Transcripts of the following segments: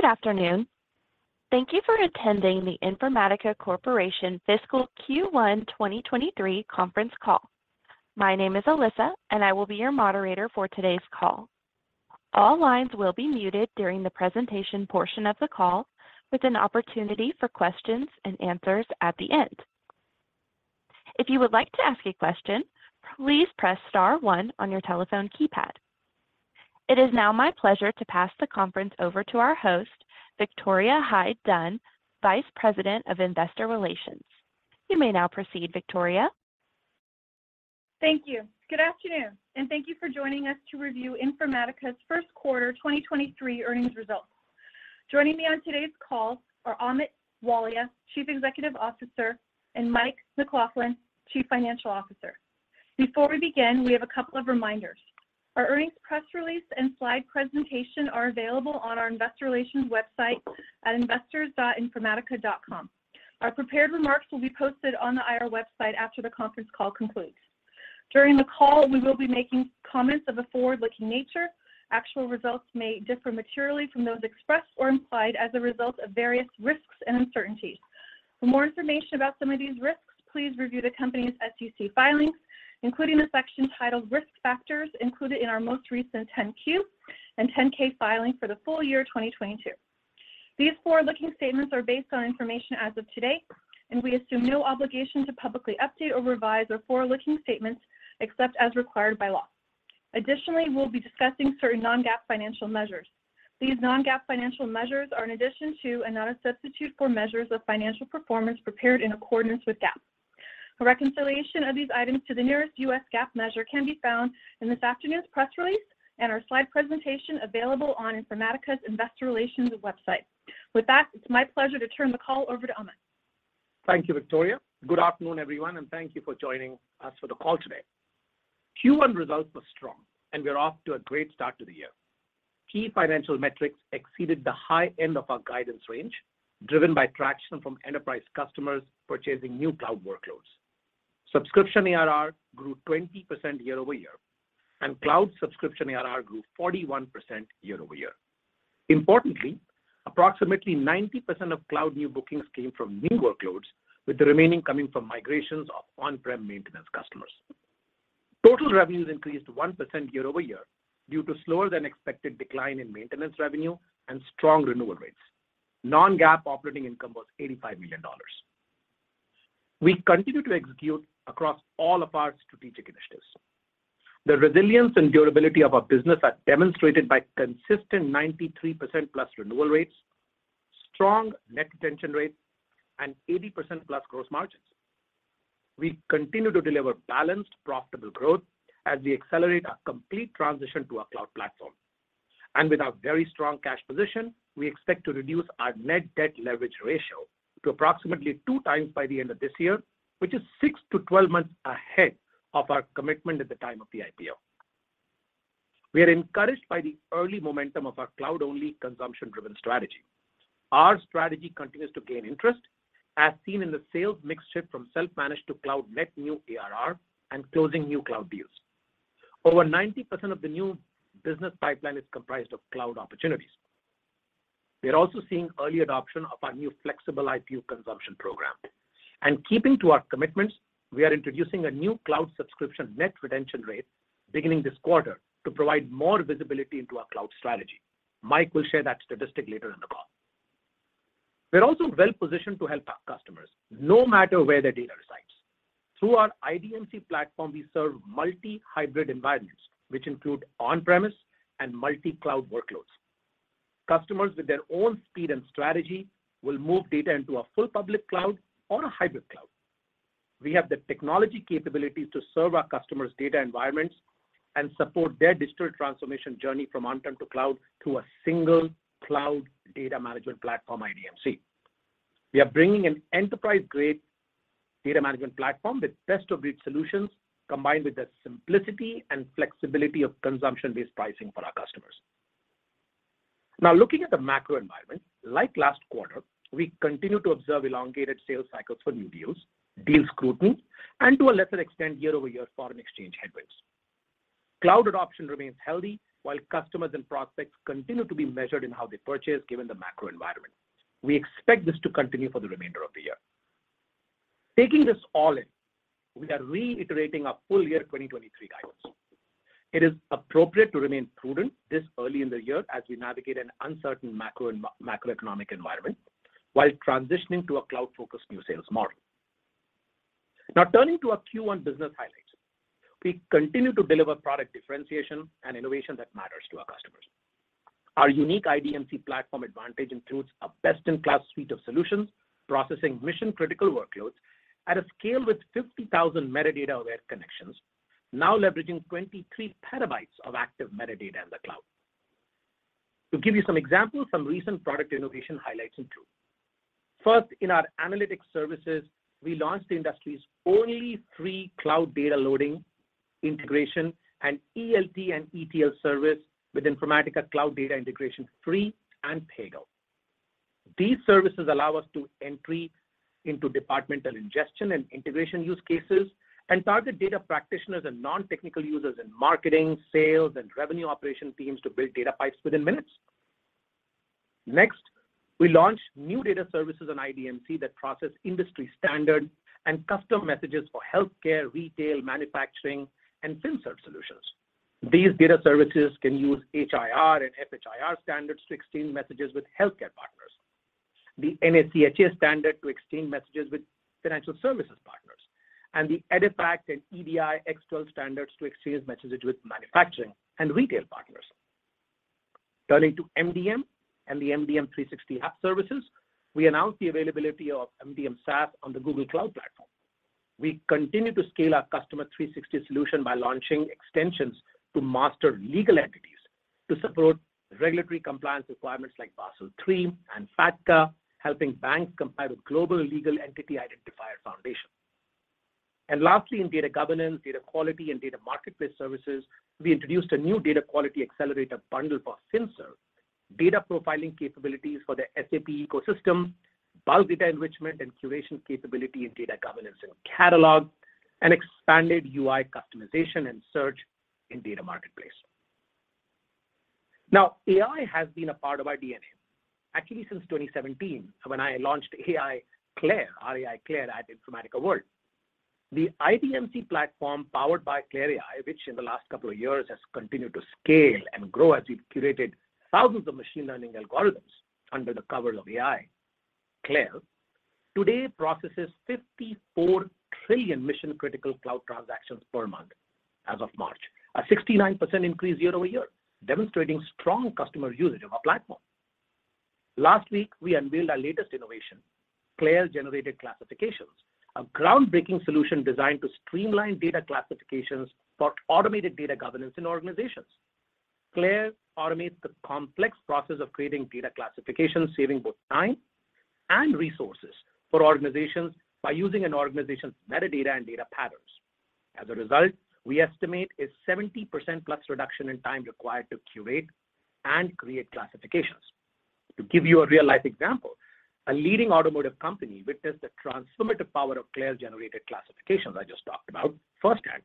Good afternoon. Thank you for attending the Informatica Corporation Fiscal Q1 2023 conference call. My name is Alyssa, and I will be your moderator for today's call. All lines will be muted during the presentation portion of the call, with an opportunity for questions and answers at the end. If you would like to ask a question, please press star one on your telephone keypad. It is now my pleasure to pass the conference over to our host, Victoria Hyde-Dunn, Vice President of Investor Relations. You may now proceed, Victoria. Thank you. Good afternoon, and thank you for joining us to review Informatica's first quarter 2023 earnings results. Joining me on today's call are Amit Walia, Chief Executive Officer, and Mike McLaughlin, Chief Financial Officer. Before we begin, we have a couple of reminders. Our earnings press release and slide presentation are available on our investor relations website at investors.informatica.com. Our prepared remarks will be posted on the IR website after the conference call concludes. During the call, we will be making comments of a forward-looking nature. Actual results may differ materially from those expressed or implied as a result of various risks and uncertainties. For more information about some of these risks, please review the company's SEC filings, including the section titled Risk Factors included in our most recent 10-Q and 10-K filing for the full year 2022. These forward-looking statements are based on information as of today, and we assume no obligation to publicly update or revise our forward-looking statements except as required by law. Additionally, we'll be discussing certain non-GAAP financial measures. These non-GAAP financial measures are in addition to, and not a substitute for, measures of financial performance prepared in accordance with GAAP. A reconciliation of these items to the nearest U.S. GAAP measure can be found in this afternoon's press release, and our slide presentation available on Informatica's Investor Relations website. With that, it's my pleasure to turn the call over to Amit. Thank you, Victoria. Good afternoon, everyone, and thank you for joining us for the call today. Q1 results were strong and we are off to a great start to the year. Key financial metrics exceeded the high end of our guidance range, driven by traction from enterprise customers purchasing new cloud workloads. Subscription ARR grew 20% year-over-year, and cloud subscription ARR grew 41% year-over-year. Importantly, approximately 90% of cloud new bookings came from new workloads, with the remaining coming from migrations of on-prem maintenance customers. Total revenues increased 1% year-over-year due to slower than expected decline in maintenance revenue and strong renewal rates. Non-GAAP operating income was $85 million. We continue to execute across all of our strategic initiatives. The resilience and durability of our business are demonstrated by consistent 93% plus renewal rates, strong net retention rates, and 80% plus gross margins. We continue to deliver balanced, profitable growth as we accelerate our complete transition to our cloud platform. With our very strong cash position, we expect to reduce our net debt leverage ratio to approximately 2 times by the end of this year, which is 6-12 months ahead of our commitment at the time of the IPO. We are encouraged by the early momentum of our cloud-only, consumption-driven strategy. Our strategy continues to gain interest, as seen in the sales mix shift from self-managed to cloud net new ARR and closing new cloud deals. Over 90% of the new business pipeline is comprised of cloud opportunities. We are also seeing early adoption of our new flexible IPU consumption program. Keeping to our commitments, we are introducing a new cloud subscription net retention rate beginning this quarter to provide more visibility into our cloud strategy. Mike will share that statistic later in the call. We're also well-positioned to help our customers, no matter where their data resides. Through our IDMC platform, we serve multi-hybrid environments, which include on-premise and multi-cloud workloads. Customers with their own speed and strategy will move data into a full public cloud or a hybrid cloud. We have the technology capabilities to serve our customers' data environments and support their digital transformation journey from on-prem to cloud through a single cloud data management platform, IDMC. We are bringing an enterprise-grade data management platform with best-of-breed solutions, combined with the simplicity and flexibility of consumption-based pricing for our customers. Looking at the macro environment, like last quarter, we continue to observe elongated sales cycles for new deals, deal scrutiny, and to a lesser extent, year-over-year foreign exchange headwinds. cloud adoption remains healthy while customers and prospects continue to be measured in how they purchase, given the macro environment. We expect this to continue for the remainder of the year. Taking this all in, we are reiterating our full year 2023 guidance. It is appropriate to remain prudent this early in the year as we navigate an uncertain macro, macroeconomic environment while transitioning to a cloud-focused new sales model. Turning to our Q1 business highlights. We continue to deliver product differentiation, and innovation that matters to our customers. Our unique IDMC platform advantage includes a best-in-class suite of solutions, processing mission-critical workloads at a scale with 50,000 metadata-aware connections, now leveraging 23 TB of active metadata in the cloud. To give you some examples, some recent product innovation highlights include: First, in our analytics services, we launched the industry's only free cloud data loading integration and ELT and ETL service with Informatica Cloud Data Integration-Free and paid up. These services allow us to entry into departmental ingestion and integration use cases and target data practitioners and non-technical users in marketing, sales, and revenue operation teams to build data pipes within minutes. Next, we launched new data services on IDMC that process industry standard and custom messages for healthcare, retail, manufacturing, and FinServ solutions. These data services can use HIR and FHIR standards to exchange messages with healthcare partners, the NACHA standard to exchange messages with financial services partners, and the EDIFACT and EDI X12 standards to exchange messages with manufacturing, and retail partners. Turning to MDM and the MDM 360 app services, we announced the availability of MDM SaaS on the Google Cloud platform. We continue to scale our customer 360 solution by launching extensions to master legal entities to support regulatory compliance requirements like Basel III and FATCA, helping banks comply with Global Legal Entity Identifier Foundation. Lastly, in data governance, data quality, and data marketplace services, we introduced a new data quality accelerator bundle for FinServ, data profiling capabilities for the SAP ecosystem, bulk data enrichment and curation capability in data governance and catalog, and expanded UI customization and search in Data Marketplace. AI has been a part of our DNA, actually since 2007 when I launched AI CLAIRE, our AI CLAIRE at Informatica World. The IDMC platform powered by CLAIRE AI, which in the last couple of years has continued to scale and grow as we've curated thousands of machine learning algorithms under the covers of AI. CLAIRE today processes 54 trillion mission-critical cloud transactions per month as of March. A 69% increase year-over-year, demonstrating strong customer usage of our platform. Last week, we unveiled our latest innovation, CLAIRE Generated Classifications, a groundbreaking solution designed to streamline data classifications for automated data governance in organizations. CLAIRE automates the complex process of creating data classifications, saving both time, and resources for organizations by using an organization's metadata and data patterns. As a result, we estimate a 70%-plus reduction in time required to curate, and create classifications. To give you a real-life example, a leading automotive company witnessed the transformative power of CLAIRE Generated Classifications I just talked about firsthand.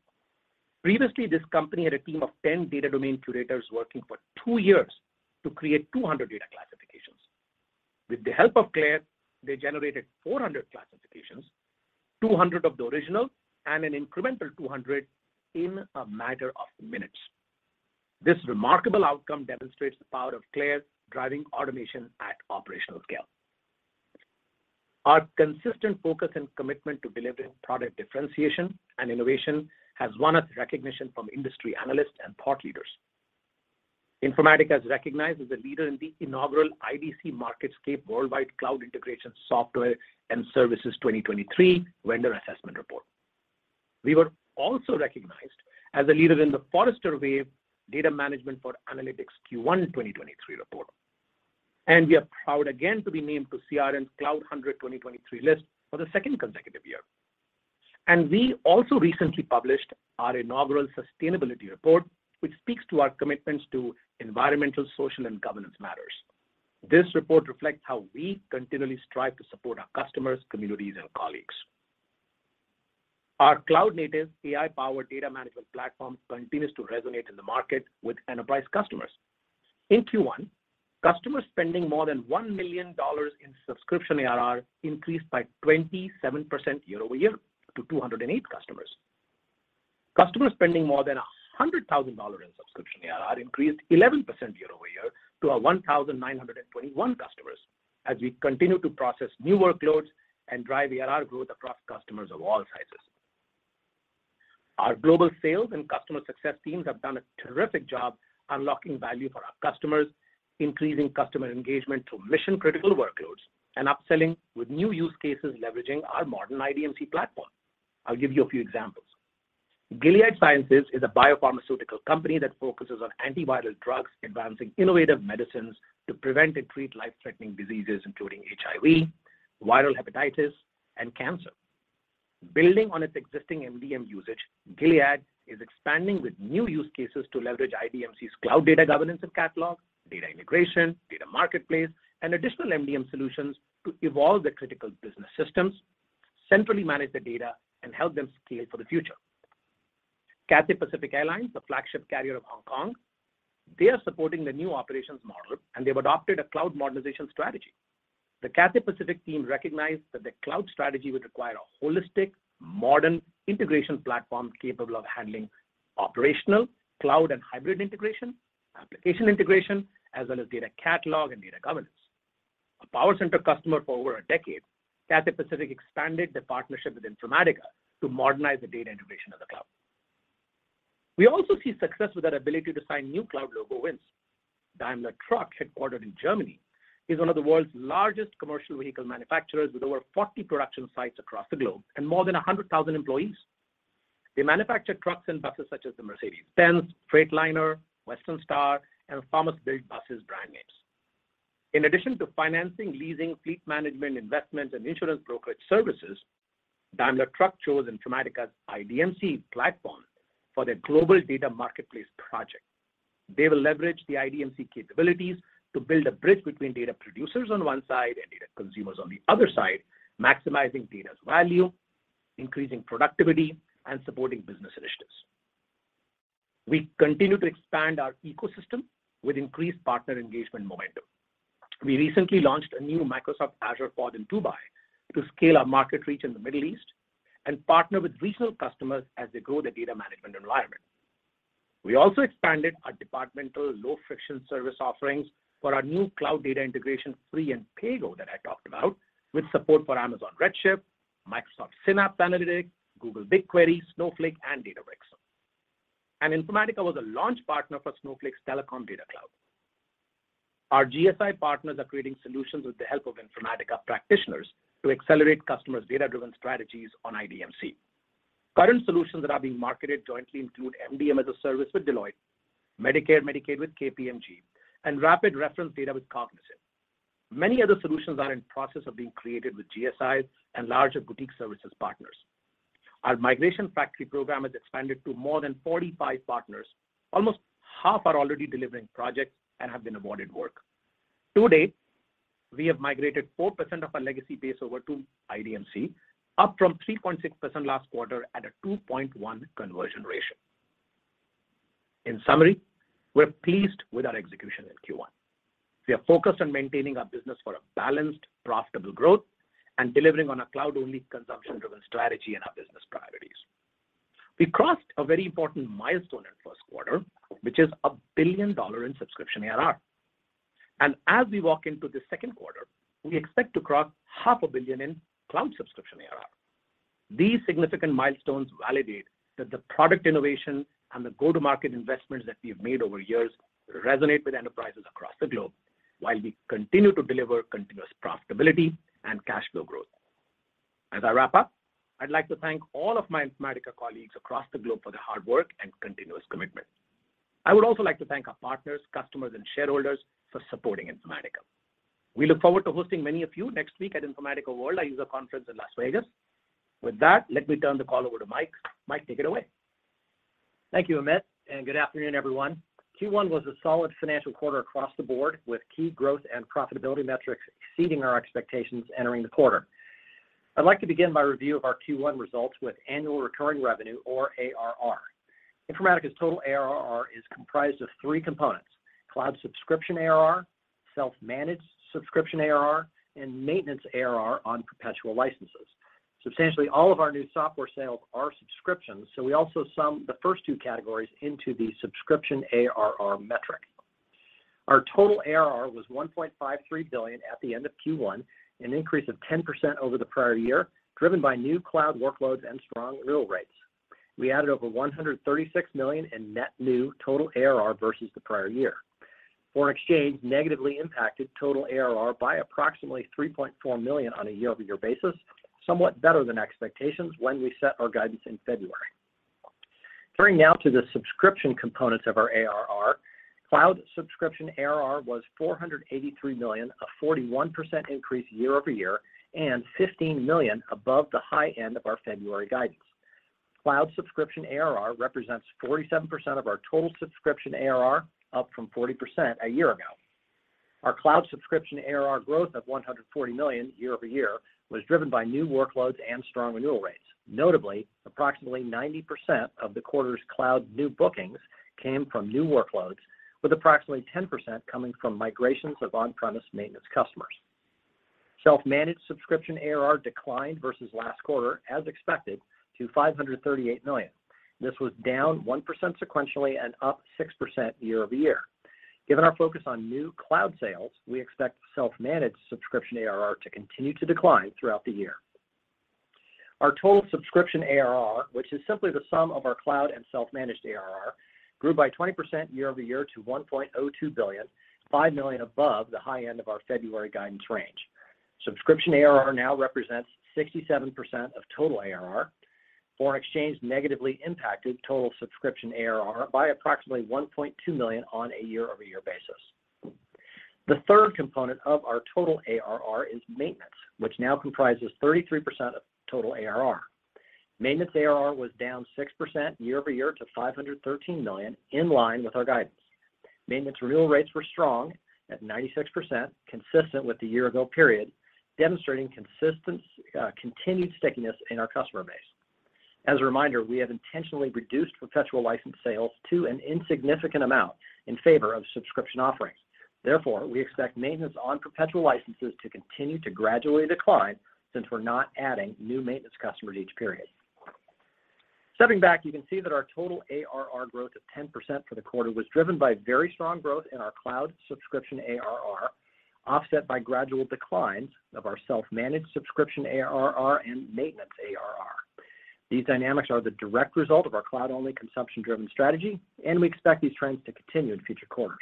Previously, this company had a team of 10 data domain curators working for two years to create 200 data classifications. With the help of CLAIRE, they generated 400 classifications, 200 of the original and an incremental 200 in a matter of minutes. This remarkable outcome demonstrates the power of CLAIRE driving automation at operational scale. Our consistent focus,,, and commitment to delivering product differentiation and innovation has won us recognition from industry analysts and thought leaders. Informatica is recognized as a leader in the inaugural IDC MarketScape Worldwide Cloud Integration Software and Services 2023 Vendor Assessment report. We were also recognized as a leader in the Forrester Wave Data Management for Analytics Q1 2023 report. We are proud again to be named to CRM's Cloud 100 2023 list for the second consecutive year. We also recently published our inaugural sustainability report, which speaks to our commitments to environmental, social, and governance matters. This report reflects how we continually strive to support our customers, communities, and colleagues. Our cloud-native AI-powered data management platform continues to resonate in the market with enterprise customers. In Q1, customers spending more than $1 million in subscription ARR increased by 27% year-over-year to 208 customers. Customers spending more than $100,000 in subscription ARR increased 11% year-over-year to our 1,921 customers as we continue to process new workloads, and drive ARR growth across customers of all sizes. Our global sales and customer success teams have done a terrific job unlocking value for our customers, increasing customer engagement to mission-critical workloads, and upselling with new use cases leveraging our modern IDMC platform. I'll give you a few examples. Gilead Sciences is a biopharmaceutical company that focuses on antiviral drugs, advancing innovative medicines to prevent and treat life-threatening diseases, including HIV, viral hepatitis, and cancer. Building on its existing MDM usage, Gilead is expanding with new use cases to leverage IDMC's cloud data governance and catalog, data integration, Data Marketplace, and additional MDM solutions to evolve their critical business systems, centrally manage their data, and help them scale for the future. Cathay Pacific Airlines, the flagship carrier of Hong Kong, they are supporting the new operations model. They've adopted a cloud modernization strategy. The Cathay Pacific team recognized that the cloud strategy would require a holistic, modern integration platform capable of handling operational, cloud and hybrid integration, application integration, as well as data catalog and data governance. A PowerCenter customer for over a decade, Cathay Pacific expanded their partnership with Informatica to modernize the data integration of the cloud. We also see success with our ability to sign new cloud logo wins. Daimler Truck, headquartered in Germany, is one of the world's largest commercial vehicle manufacturers with over 40 production sites across the globe and more than 100,000 employees. They manufacture trucks, and buses such as the Mercedes-Benz, Freightliner, Western Star, and Thomas Built Buses brand names. In addition to financing, leasing, fleet management, investment, and insurance brokerage services, Daimler Truck chose Informatica's IDMC platform for their global Data Marketplace project. They will leverage the IDMC capabilities to build a bridge between data producers on one side and data consumers on the other side, maximizing data's value, increasing productivity, and supporting business initiatives. We continue to expand our ecosystem with increased partner engagement momentum. We recently launched a new Microsoft Azure pod in Dubai to scale our market reach in the Middle East, and partner with regional customers as they grow their data management environment. We also expanded our departmental low-friction service offerings for our new Cloud Data Integration-Free and PayGo that I talked about, with support for Amazon Redshift, Azure Synapse Analytics, Google BigQuery, Snowflake, and Databricks. Informatica was a launch partner for Snowflake's Telecom Data Cloud. Our GSI partners are creating solutions with the help of Informatica practitioners to accelerate customers' data-driven strategies on IDMC. Current solutions that are being marketed jointly include MDM as a service with Deloitte, Medicare, Medicaid with KPMG, and rapid reference data with Cognizant. Many other solutions are in process of being created with GSIs and larger boutique services partners. Our Migration Factory program has expanded to more than 45 partners. Almost half are already delivering projects and have been awarded work. To date, we have migrated 4% of our legacy base over to IDMC, up from 3.6% last quarter at a 2.1 conversion ratio. In summary, we're pleased with our execution in Q1. We are focused on maintaining our business for a balanced, profitable growth and delivering on a cloud-only consumption-driven strategy and our business priorities. We crossed a very important milestone in first quarter, which is a $1 billion in subscription ARR. As we walk into the second quarter, we expect to cross half a billion in cloud subscription ARR. These significant milestones validate that the product innovation, and the go-to-market investments that we have made over years resonate with enterprises across the globe while we continue to deliver continuous profitability, and cash flow growth. As I wrap up, I'd like to thank all of my Informatica colleagues across the globe for their hard work and continuous commitment. I would also like to thank our partners, customers, and shareholders for supporting Informatica. We look forward to hosting many of you next week at Informatica World, our user conference in Las Vegas. With that, let me turn the call over to Mike. Mike, take it away. Thank you, Amit. Good afternoon, everyone. Q1 was a solid financial quarter across the board with key growth and profitability metrics exceeding our expectations entering the quarter. I'd like to begin my review of our Q1 results with annual recurring revenue or ARR. Informatica's total ARR is comprised of three components: cloud subscription ARR, self-managed subscription ARR, and maintenance ARR on perpetual licenses. Substantially all of our new software sales are subscriptions. We also sum the first two categories into the subscription ARR metric. Our total ARR was $1.53 billion at the end of Q1, an increase of 10% over the prior year, driven by new cloud workloads, and strong renewal rates. We added over $136 million in net new total ARR versus the prior year. Foreign exchange negatively impacted total ARR by approximately $3.4 million on a year-over-year basis, somewhat better than expectations when we set our guidance in February. Turning now to the subscription components of our ARR, cloud subscription ARR was $483 million, a 41% increase year-over-year and $15 million above the high end of our February guidance. Cloud subscription ARR represents 47% of our total subscription ARR, up from 40% a year ago. Our cloud subscription ARR growth of $140 million year-over-year was driven by new workloads, and strong renewal rates. Notably, approximately 90% of the quarter's cloud new bookings came from new workloads, with approximately 10% coming from migrations of on-premise maintenance customers. Self-managed subscription ARR declined versus last quarter, as expected, to $538 million. This was down 1% sequentially and up 6% year-over-year. Given our focus on new cloud sales, we expect self-managed subscription ARR to continue to decline throughout the year. Our total subscription ARR, which is simply the sum of our cloud, and self-managed ARR, grew by 20% year-over-year to $1.02 billion, $5 million above the high end of our February guidance range. Subscription ARR now represents 67% of total ARR. Foreign exchange negatively impacted total subscription ARR by approximately $1.2 million on a year-over-year basis. The third component of our total ARR is maintenance, which now comprises 33% of total ARR. Maintenance ARR was down 6% year-over-year to $513 million, in line with our guidance. Maintenance renewal rates were strong at 96%, consistent with the year-ago period, demonstrating consistent, continued stickiness in our customer base. As a reminder, we have intentionally reduced perpetual license sales to an insignificant amount in favor of subscription offerings. Therefore, we expect maintenance on perpetual licenses to continue to gradually decline since we're not adding new maintenance customers each period. Stepping back, you can see that our total ARR growth of 10% for the quarter was driven by very strong growth in our cloud subscription ARR, offset by gradual declines of our self-managed subscription ARR and maintenance ARR. These dynamics are the direct result of our cloud-only consumption-driven strategy, and we expect these trends to continue in future quarters.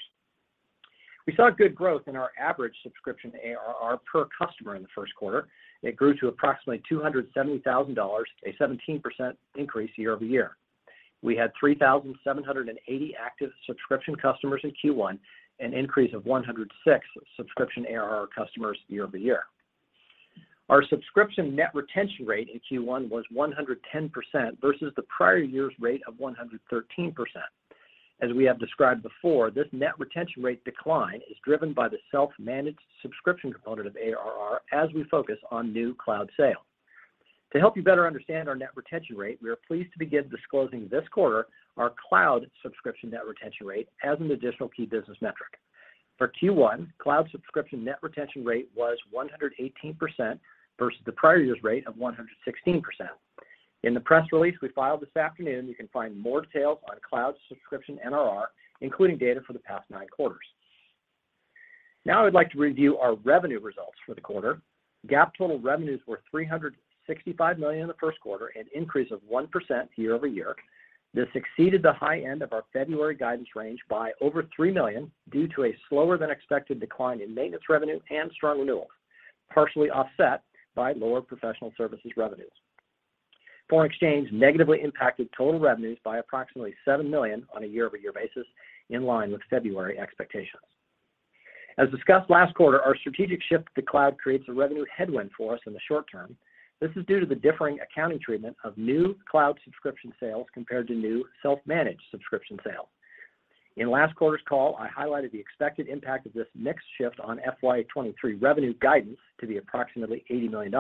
We saw good growth in our average subscription ARR per customer in the first quarter. It grew to approximately $270,000, a 17% increase year-over-year. We had 3,780 active subscription customers in Q1, an increase of 106 subscription ARR customers year-over-year. Our subscription net retention rate in Q1 was 110% versus the prior year's rate of 113%. As we have described before, this net retention rate decline is driven by the self-managed subscription component of ARR as we focus on new cloud sales. To help you better understand our net retention rate, we are pleased to begin disclosing this quarter our cloud subscription net retention rate as an additional key business metric. For Q1, cloud subscription net retention rate was 118% versus the prior year's rate of 116%. In the press release we filed this afternoon, you can find more details on cloud subscription NRR, including data for the past nine quarters. I'd like to review our revenue results for the quarter. GAAP total revenues were $365 million in the first quarter, an increase of 1% year-over-year. This exceeded the high end of our February guidance range by over $3 million due to a slower-than-expected decline in maintenance revenue and strong renewals, partially offset by lower professional services revenues. Foreign exchange negatively impacted total revenues by approximately $7 million on a year-over-year basis, in line with February expectations. As discussed last quarter, our strategic shift to the cloud creates a revenue headwind for us in the short term. This is due to the differing accounting treatment of new cloud subscription sales compared to new self-managed subscription sales. In last quarter's call, I highlighted the expected impact of this mix shift on FY 2023 revenue guidance to be approximately $80 million.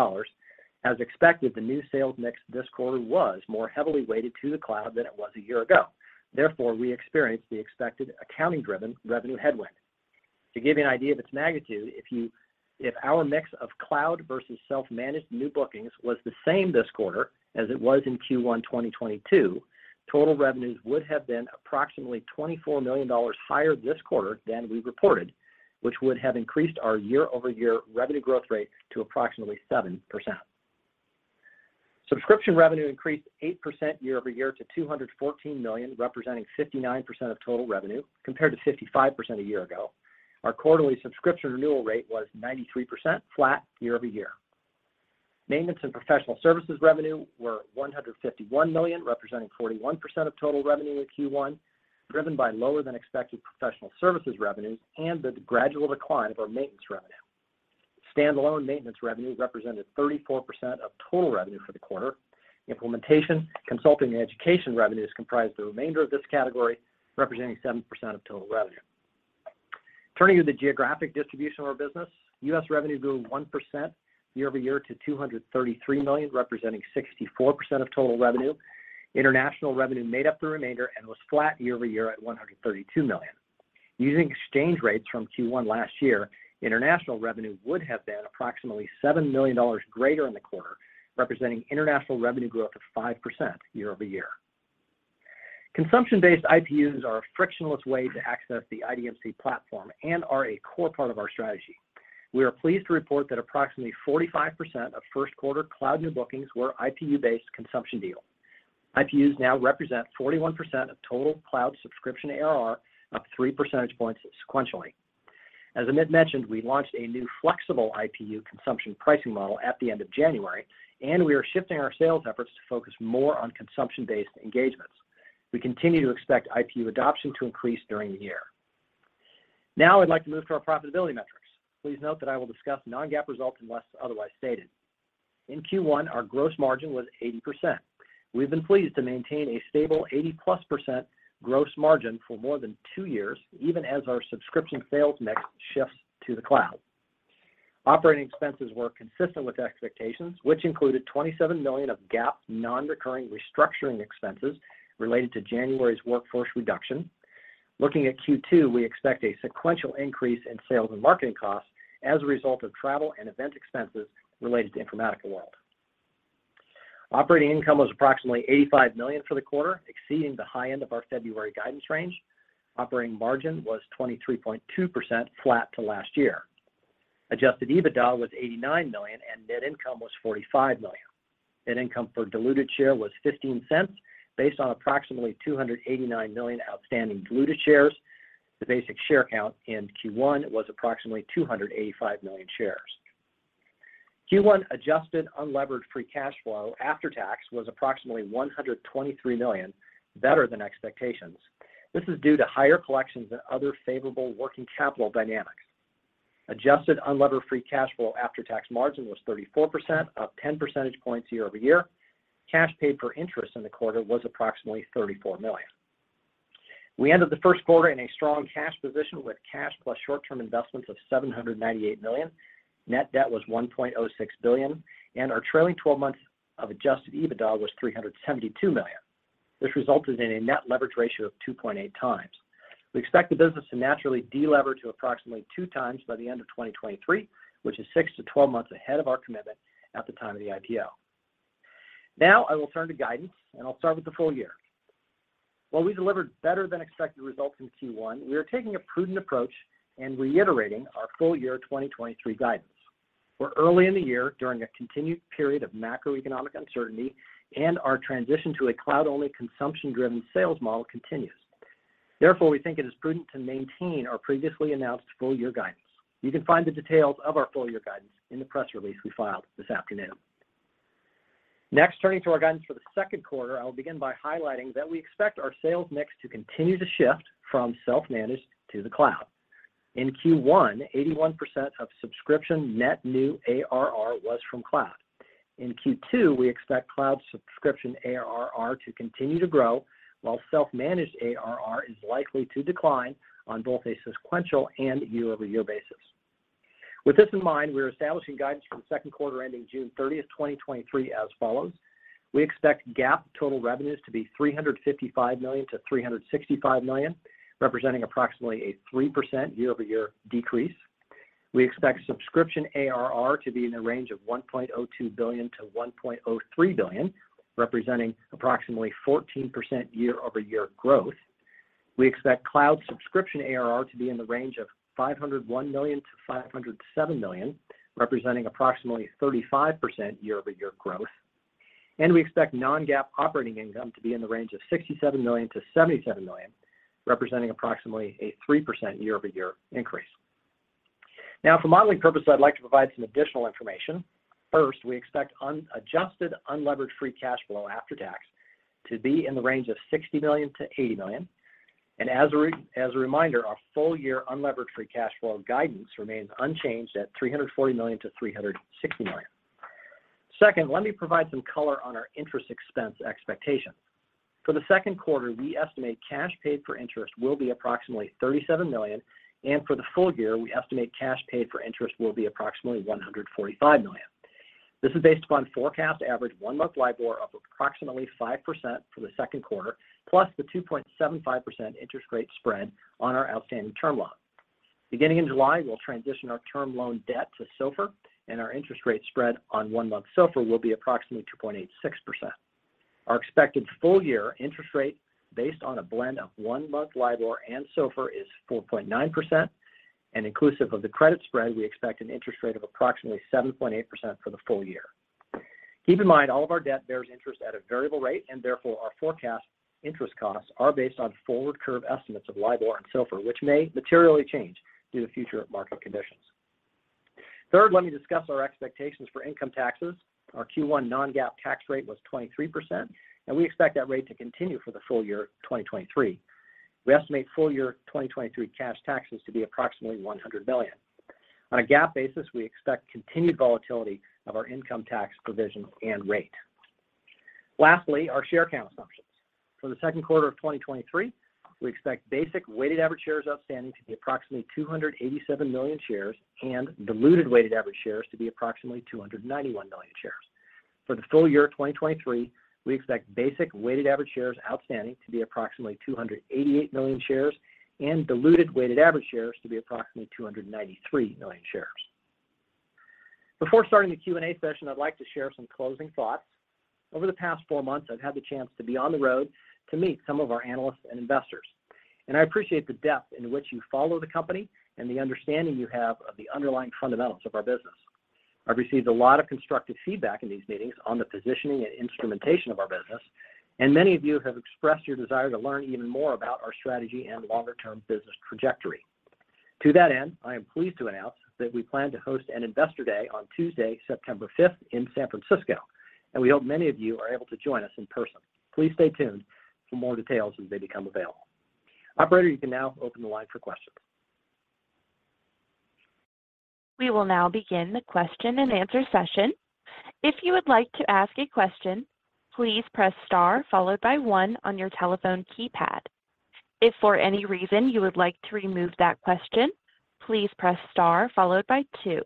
As expected, the new sales mix this quarter was more heavily weighted to the cloud than it was a year ago. We experienced the expected accounting-driven revenue headwind. To give you an idea of its magnitude, if our mix of cloud versus self-managed new bookings was the same this quarter as it was in Q1 2022, total revenues would have been approximately $24 million higher this quarter than we reported, which would have increased our year-over-year revenue growth rate to approximately 7%. Subscription revenue increased 8% year-over-year to $214 million, representing 59% of total revenue, compared to 55% a year ago. Our quarterly subscription renewal rate was 93%, flat year-over-year. Maintenance and professional services revenue were $151 million, representing 41% of total revenue in Q1, driven by lower-than-expected professional services revenues and the gradual decline of our maintenance revenue. Standalone maintenance revenue represented 34% of total revenue for the quarter. Implementation, consulting, and education revenues comprised the remainder of this category, representing 7% of total revenue. Turning to the geographic distribution of our business, U.S. revenue grew 1% year-over-year to $233 million, representing 64% of total revenue. International revenue made up the remainder and was flat year-over-year at $132 million. Using exchange rates from Q1 last year, international revenue would have been approximately $7 million greater in the quarter, representing international revenue growth of 5% year-over-year. Consumption-based IPUs are a frictionless way to access the IDMC platform, and are a core part of our strategy. We are pleased to report that approximately 45% of first quarter cloud new bookings were IPU-based consumption deals. IPUs now represent 41% of total cloud subscription ARR, up 3 percentage points sequentially. As Amit mentioned, we launched a new flexible IPU consumption pricing model at the end of January, and we are shifting our sales efforts to focus more on consumption-based engagements. We continue to expect IPU adoption to increase during the year. Now I'd like to move to our profitability metrics. Please note that I will discuss non-GAAP results unless otherwise stated. In Q1, our gross margin was 80%. We've been pleased to maintain a stable 80%-plus gross margin for more than two years, even as our subscription sales mix shifts to the cloud. Operating expenses were consistent with expectations, which included $27 million of GAAP non-recurring restructuring expenses related to January's workforce reduction. Looking at Q2, we expect a sequential increase in sales and marketing costs as a result of travel and event expenses related to Informatica World. Operating income was approximately $85 million for the quarter, exceeding the high end of our February guidance range. Operating margin was 23.2%, flat to last year. Adjusted EBITDA was $89 million, and net income was $45 million. Net income for diluted share was $0.15 based on approximately 289 million outstanding diluted shares. The basic share count in Q1 was approximately 285 million shares. Q1 adjusted unlevered free cash flow after tax was approximately $123 million, better than expectations. This is due to higher collections and other favorable working capital dynamics. Adjusted unlevered free cash flow after tax margin was 34%, up 10 percentage points year-over-year. Cash paid for interest in the quarter was approximately $34 million. We ended the first quarter in a strong cash position with cash plus short-term investments of $798 million. Net debt was $1.06 billion, and our trailing 12 months of adjusted EBITDA was $372 million. This resulted in a net leverage ratio of 2.8 times. We expect the business to naturally de-lever to approximately 2 times by the end of 2023, which is 6 to 12 months ahead of our commitment at the time of the IPO. I will turn to guidance, I'll start with the full year. While we delivered better than expected results in Q1, we are taking a prudent approach, and reiterating our full-year 2023 guidance. We're early in the year during a continued period of macroeconomic uncertainty. Our transition to a cloud-only consumption-driven sales model continues. Therefore, we think it is prudent to maintain our previously announced full-year guidance. You can find the details of our full-year guidance in the press release we filed this afternoon. Turning to our guidance for the second quarter, I will begin by highlighting that we expect our sales mix to continue to shift from self-managed to the cloud. In Q1, 81% of subscription net new ARR was from cloud. In Q2, we expect cloud subscription ARR to continue to grow while self-managed ARR is likely to decline on both a sequential and year-over-year basis. With this in mind, we are establishing guidance for the second quarter ending June 13, 2023 as follows. We expect GAAP total revenues to be $355 million to $365 million, representing approximately a 3% year-over-year decrease. We expect subscription ARR to be in the range of $1.02 billion to $1.03 billion, representing approximately 14% year-over-year growth. We expect cloud subscription ARR to be in the range of $501 million to $507 million, representing approximately 35% year-over-year growth. We expect non-GAAP operating income to be in the range of $67 million to $77 million, representing approximately a 3% year-over-year increase. Now for modeling purposes, I'd like to provide some additional information. First, we expect unadjusted unlevered free cash flow after tax to be in the range of $60 million-$80 million. As a reminder, our full-year unlevered free cash flow guidance remains unchanged at $340 million-$360 million. Second, let me provide some color on our interest expense expectations. For the second quarter, we estimate cash paid for interest will be approximately $37 million, and for the full year, we estimate cash paid for interest will be approximately $145 million. This is based upon forecast average one-month LIBOR of approximately 5% for the second quarter, plus the 2.75% interest rate spread on our outstanding term loan. Beginning in July, we'll transition our term loan debt to SOFR, and our interest rate spread on one-month SOFR will be approximately 2.86%. Our expected full-year interest rate based on a blend of one-month LIBOR and SOFR is 4.9%, and inclusive of the credit spread, we expect an interest rate of approximately 7.8% for the full year. Keep in mind, all of our debt bears interest at a variable rate, and therefore, our forecast interest costs are based on forward curve estimates of LIBOR and SOFR, which may materially change due to future market conditions. Third, let me discuss our expectations for income taxes. Our Q1 non-GAAP tax rate was 23%, and we expect that rate to continue for the full year 2023. We estimate full-year 2023 cash taxes to be approximately $100 million. On a GAAP basis, we expect continued volatility of our income tax provision and rate. Lastly, our share count assumptions. For the second quarter of 2023, we expect basic weighted average shares outstanding to be approximately 287 million shares, and diluted weighted average shares to be approximately 291 million shares. For the full year of 2023, we expect basic weighted average shares outstanding to be approximately 288 million shares and diluted weighted average shares to be approximately 293 million shares. Before starting the Q&A session, I'd like to share some closing thoughts. Over the past 4 months, I've had the chance to be on the road to meet some of our analysts and investors, and I appreciate the depth in which you follow the company and the understanding you have of the underlying fundamentals of our business. I've received a lot of constructive feedback in these meetings on the positioning and instrumentation of our business, and many of you have expressed your desire to learn even more about our strategy and longer-term business trajectory. To that end, I am pleased to announce that we plan to host an investor day on Tuesday, September fifth, in San Francisco, and we hope many of you are able to join us in person. Please stay tuned for more details as they become available. Operator, you can now open the line for questions. We will now begin the question-and-answer session. If you would like to ask a question, please press star followed by one on your telephone keypad. If for any reason you would like to remove that question, please press star followed by two.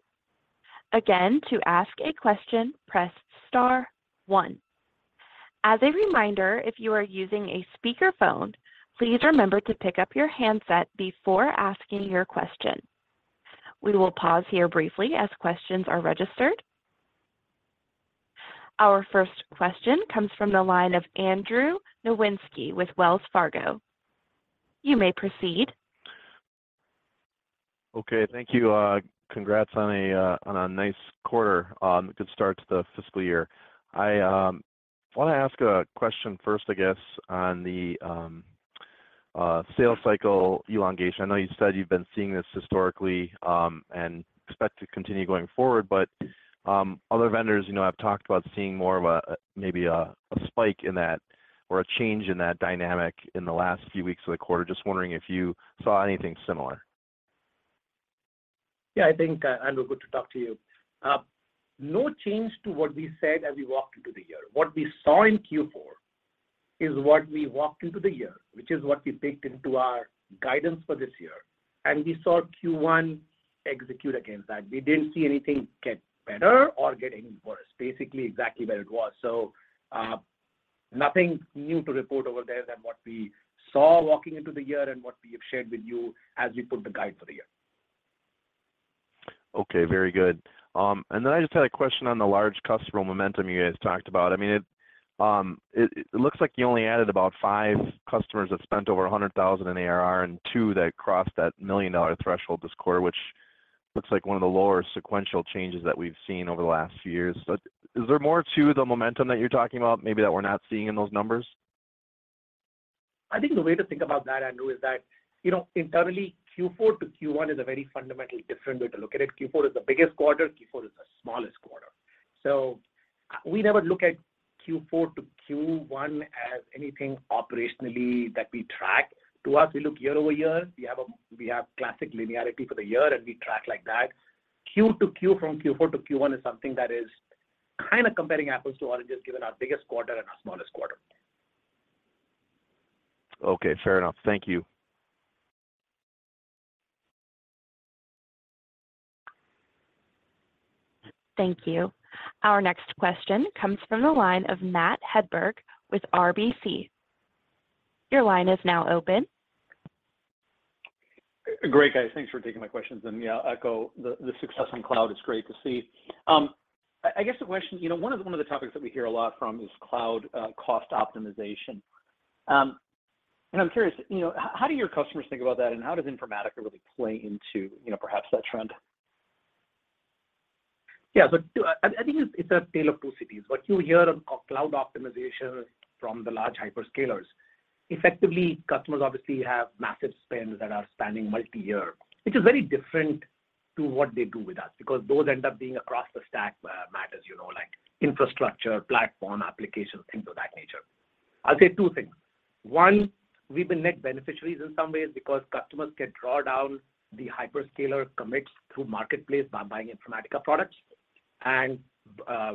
Again, to ask a question, press star one. As a reminder, if you are using a speakerphone, please remember to pick up your handset before asking your question. We will pause here briefly as questions are registered. Our first question comes from the line of Andrew Nowinski with Wells Fargo. You may proceed. Okay. Thank you. Congrats on a nice quarter, on a good start to the fiscal year. I want to ask a question first, I guess, on the sales cycle elongation. I know you said you've been seeing this historically, and expect to continue going forward. Other vendors, you know, have talked about seeing more of a, maybe a spike in that or a change in that dynamic in the last few weeks of the quarter. Just wondering if you saw anything similar. I think, Andrew, good to talk to you. No change to what we said as we walked into the year. What we saw in Q4 is what we walked into the year, which is what we baked into our guidance for this year, and we saw Q1 execute against that. We didn't see anything get better or get any worse, basically exactly where it was. Nothing new to report over there than what we saw walking into the year and what we have shared with you as we put the guide for the year. Okay, very good. I just had a question on the large customer momentum you guys talked about. I mean, it looks like you only added about five customers that spent over $100,000 in ARR, and two that crossed that $1 million threshold this quarter, which. Looks like one of the lower sequential changes that we've seen over the last few years. Is there more to the momentum that you're talking about maybe that we're not seeing in those numbers? I think the way to think about that, Andrew, is that, you know, internally, Q4 to Q1 is a very fundamentally different way to look at it. Q4 is the biggest quarter, Q4 is the smallest quarter. We never look at Q4 to Q1 as anything operationally that we track. To us, we look year-over-year. We have classic linearity for the year, and we track like that. Q-to-Q, from Q4 to Q1 is something that is kind of comparing apples to oranges, given our biggest quarter and our smallest quarter. Okay, fair enough. Thank you. Thank you. Our next question comes from the line of Matt Hedberg with RBC. Your line is now open. Great, guys. Thanks for taking my questions. Yeah, echo the success on cloud is great to see. I guess the question, you know, one of the topics that we hear a lot from is cloud cost optimization. I'm curious, you know, how do your customers think about that, how does Informatica really play into, you know, perhaps that trend? I think it's a tale of two cities. What you hear of cloud optimization from the large hyperscalers, effectively, customers obviously have massive spends that are spanning multi-year, which is very different to what they do with us because those end up being across-the-stack matters, you know, like infrastructure, platform, applications, things of that nature. I'll say two things. One, we've been net beneficiaries in some ways because customers can draw down the hyperscaler commits through marketplace by buying Informatica products,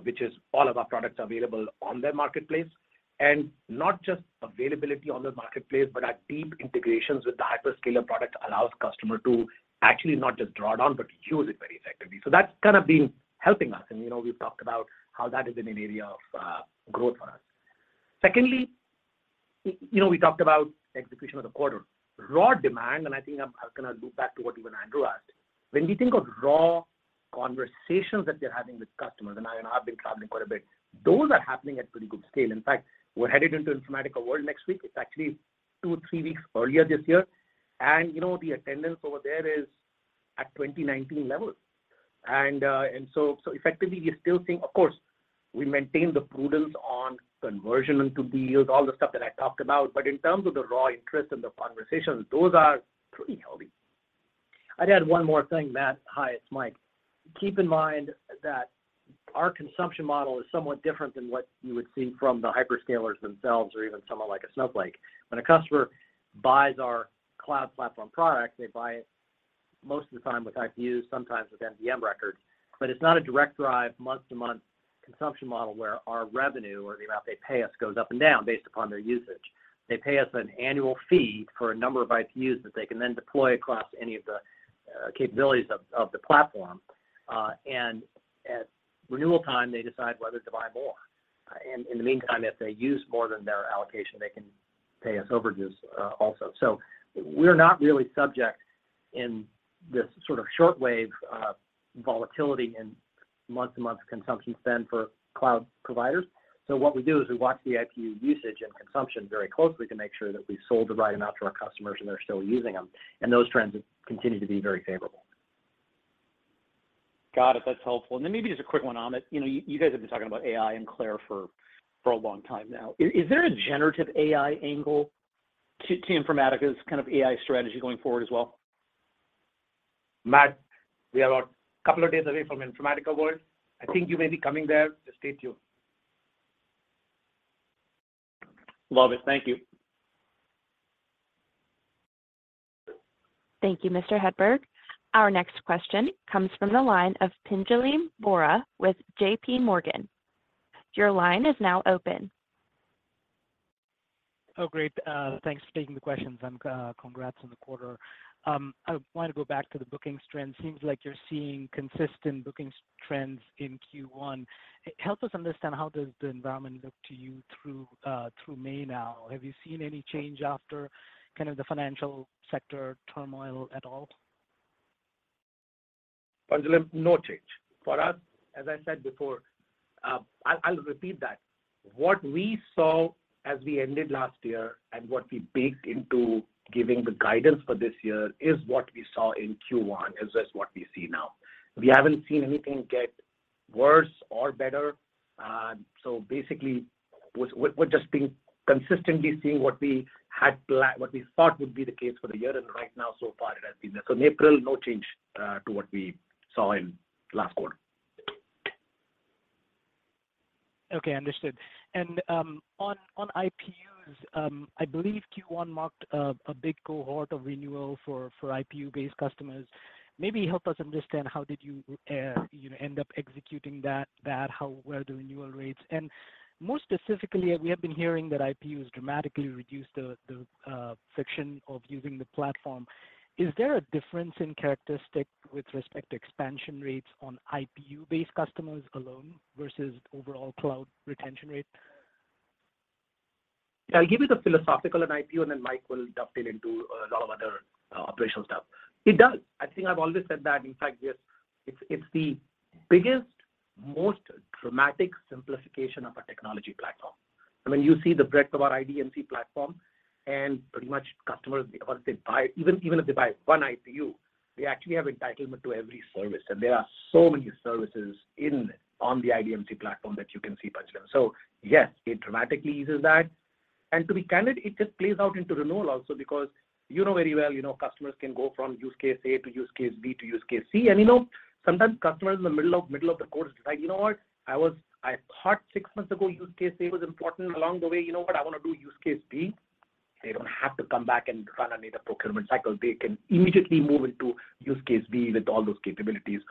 which is all of our products available on their marketplace. Not just availability on the marketplace, but our deep integrations with the hyperscaler product allows customer to actually not just draw down, but use it very effectively. That's kind of been helping us. You know, we've talked about how that is an area of growth for us. Secondly, you know, we talked about execution of the quarter. Raw demand, I think I'm gonna loop back to what even Andrew asked. When we think of raw conversations that we're having with customers, and I've been traveling quite a bit, those are happening at pretty good scale. In fact, we're headed into Informatica World next week. It's actually two, three weeks earlier this year. You know, the attendance over there is at 2019 levels. Effectively, you're still seeing. Of course, we maintain the prudence on conversion into deals, all the stuff that I talked about. In terms of the raw interest and the conversations, those are pretty healthy. I'd add one more thing, Matt Hedberg. Hi, it's Mike McLaughlin. Keep in mind that our consumption model is somewhat different than what you would see from the hyperscalers themselves or even someone like a Snowflake. When a customer buys our cloud platform product, they buy it most of the time with IPUs, sometimes with MDM records. It's not a direct drive month-to-month consumption model where our revenue or the amount they pay us goes up and down based upon their usage. They pay us an annual fee for a number of IPUs that they can then deploy across any of the capabilities of the platform. At renewal time, they decide whether to buy more. In the meantime, if they use more than their allocation, they can pay us overages also. We're not really subject in this sort of short wave, volatility in month-to-month consumption spend for cloud providers. What we do is we watch the IPU usage and consumption very closely to make sure that we sold the right amount to our customers and they're still using them, and those trends continue to be very favorable. Got it. That's helpful. Then maybe just a quick one on it. You know, you guys have been talking about AI and CLAIRE for a long time now. Is there a generative AI angle to Informatica's kind of AI strategy going forward as well? Matt, we are a couple of days away from Informatica World. I think you may be coming there. Stay tuned. Love it. Thank you. Thank you, Mr. Hedberg. Our next question comes from the line of Pinjalim Bora with JPMorgan. Your line is now open. Great. Thanks for taking the questions and congrats on the quarter. I wanted to go back to the bookings trend. Seems like you're seeing consistent bookings trends in Q1. Help us understand how does the environment look to you through May now. Have you seen any change after kind of the financial sector turmoil at all? Pinjalim, no change. For us, as I said before, I'll repeat that. What we saw as we ended last year and what we baked into giving the guidance for this year is what we saw in Q1, is just what we see now. We haven't seen anything get worse or better. basically we're just consistently seeing what we thought would be the case for the year, and right now so far it has been that. In April, no change to what we saw in last quarter. Okay. Understood. On IPUs, I believe Q1 marked a big cohort of renewal for IPU-based customers. Maybe help us understand how did you know, end up executing that, how were the renewal rates? More specifically, we have been hearing that IPU has dramatically reduced the friction of using the platform. Is there a difference in characteristic with respect to expansion rates on IPU-based customers alone versus overall cloud retention rate? I'll give you the philosophical on IPU, then Mike will dovetail into a lot of other operational stuff. It does. I think I've always said that. In fact, yes, it's the biggest most dramatic simplification of our technology platform. I mean, you see the breadth of our IDMC platform, and pretty much customers, once they buy, even if they buy one IPU, they actually have entitlement to every service. There are so many services on the IDMC platform that you can see, Pinjalim. Yes, it dramatically eases that. To be candid, it just plays out into renewal also because you know very well, you know, customers can go from use case A to use case B to use case C. You know, sometimes customers in the middle of the course decide, "You know what? I thought six months ago use case A was important. Along the way, you know what? I wanna do use case B. They don't have to come back and run a new procurement cycle. They can immediately move into use case B with all those capabilities.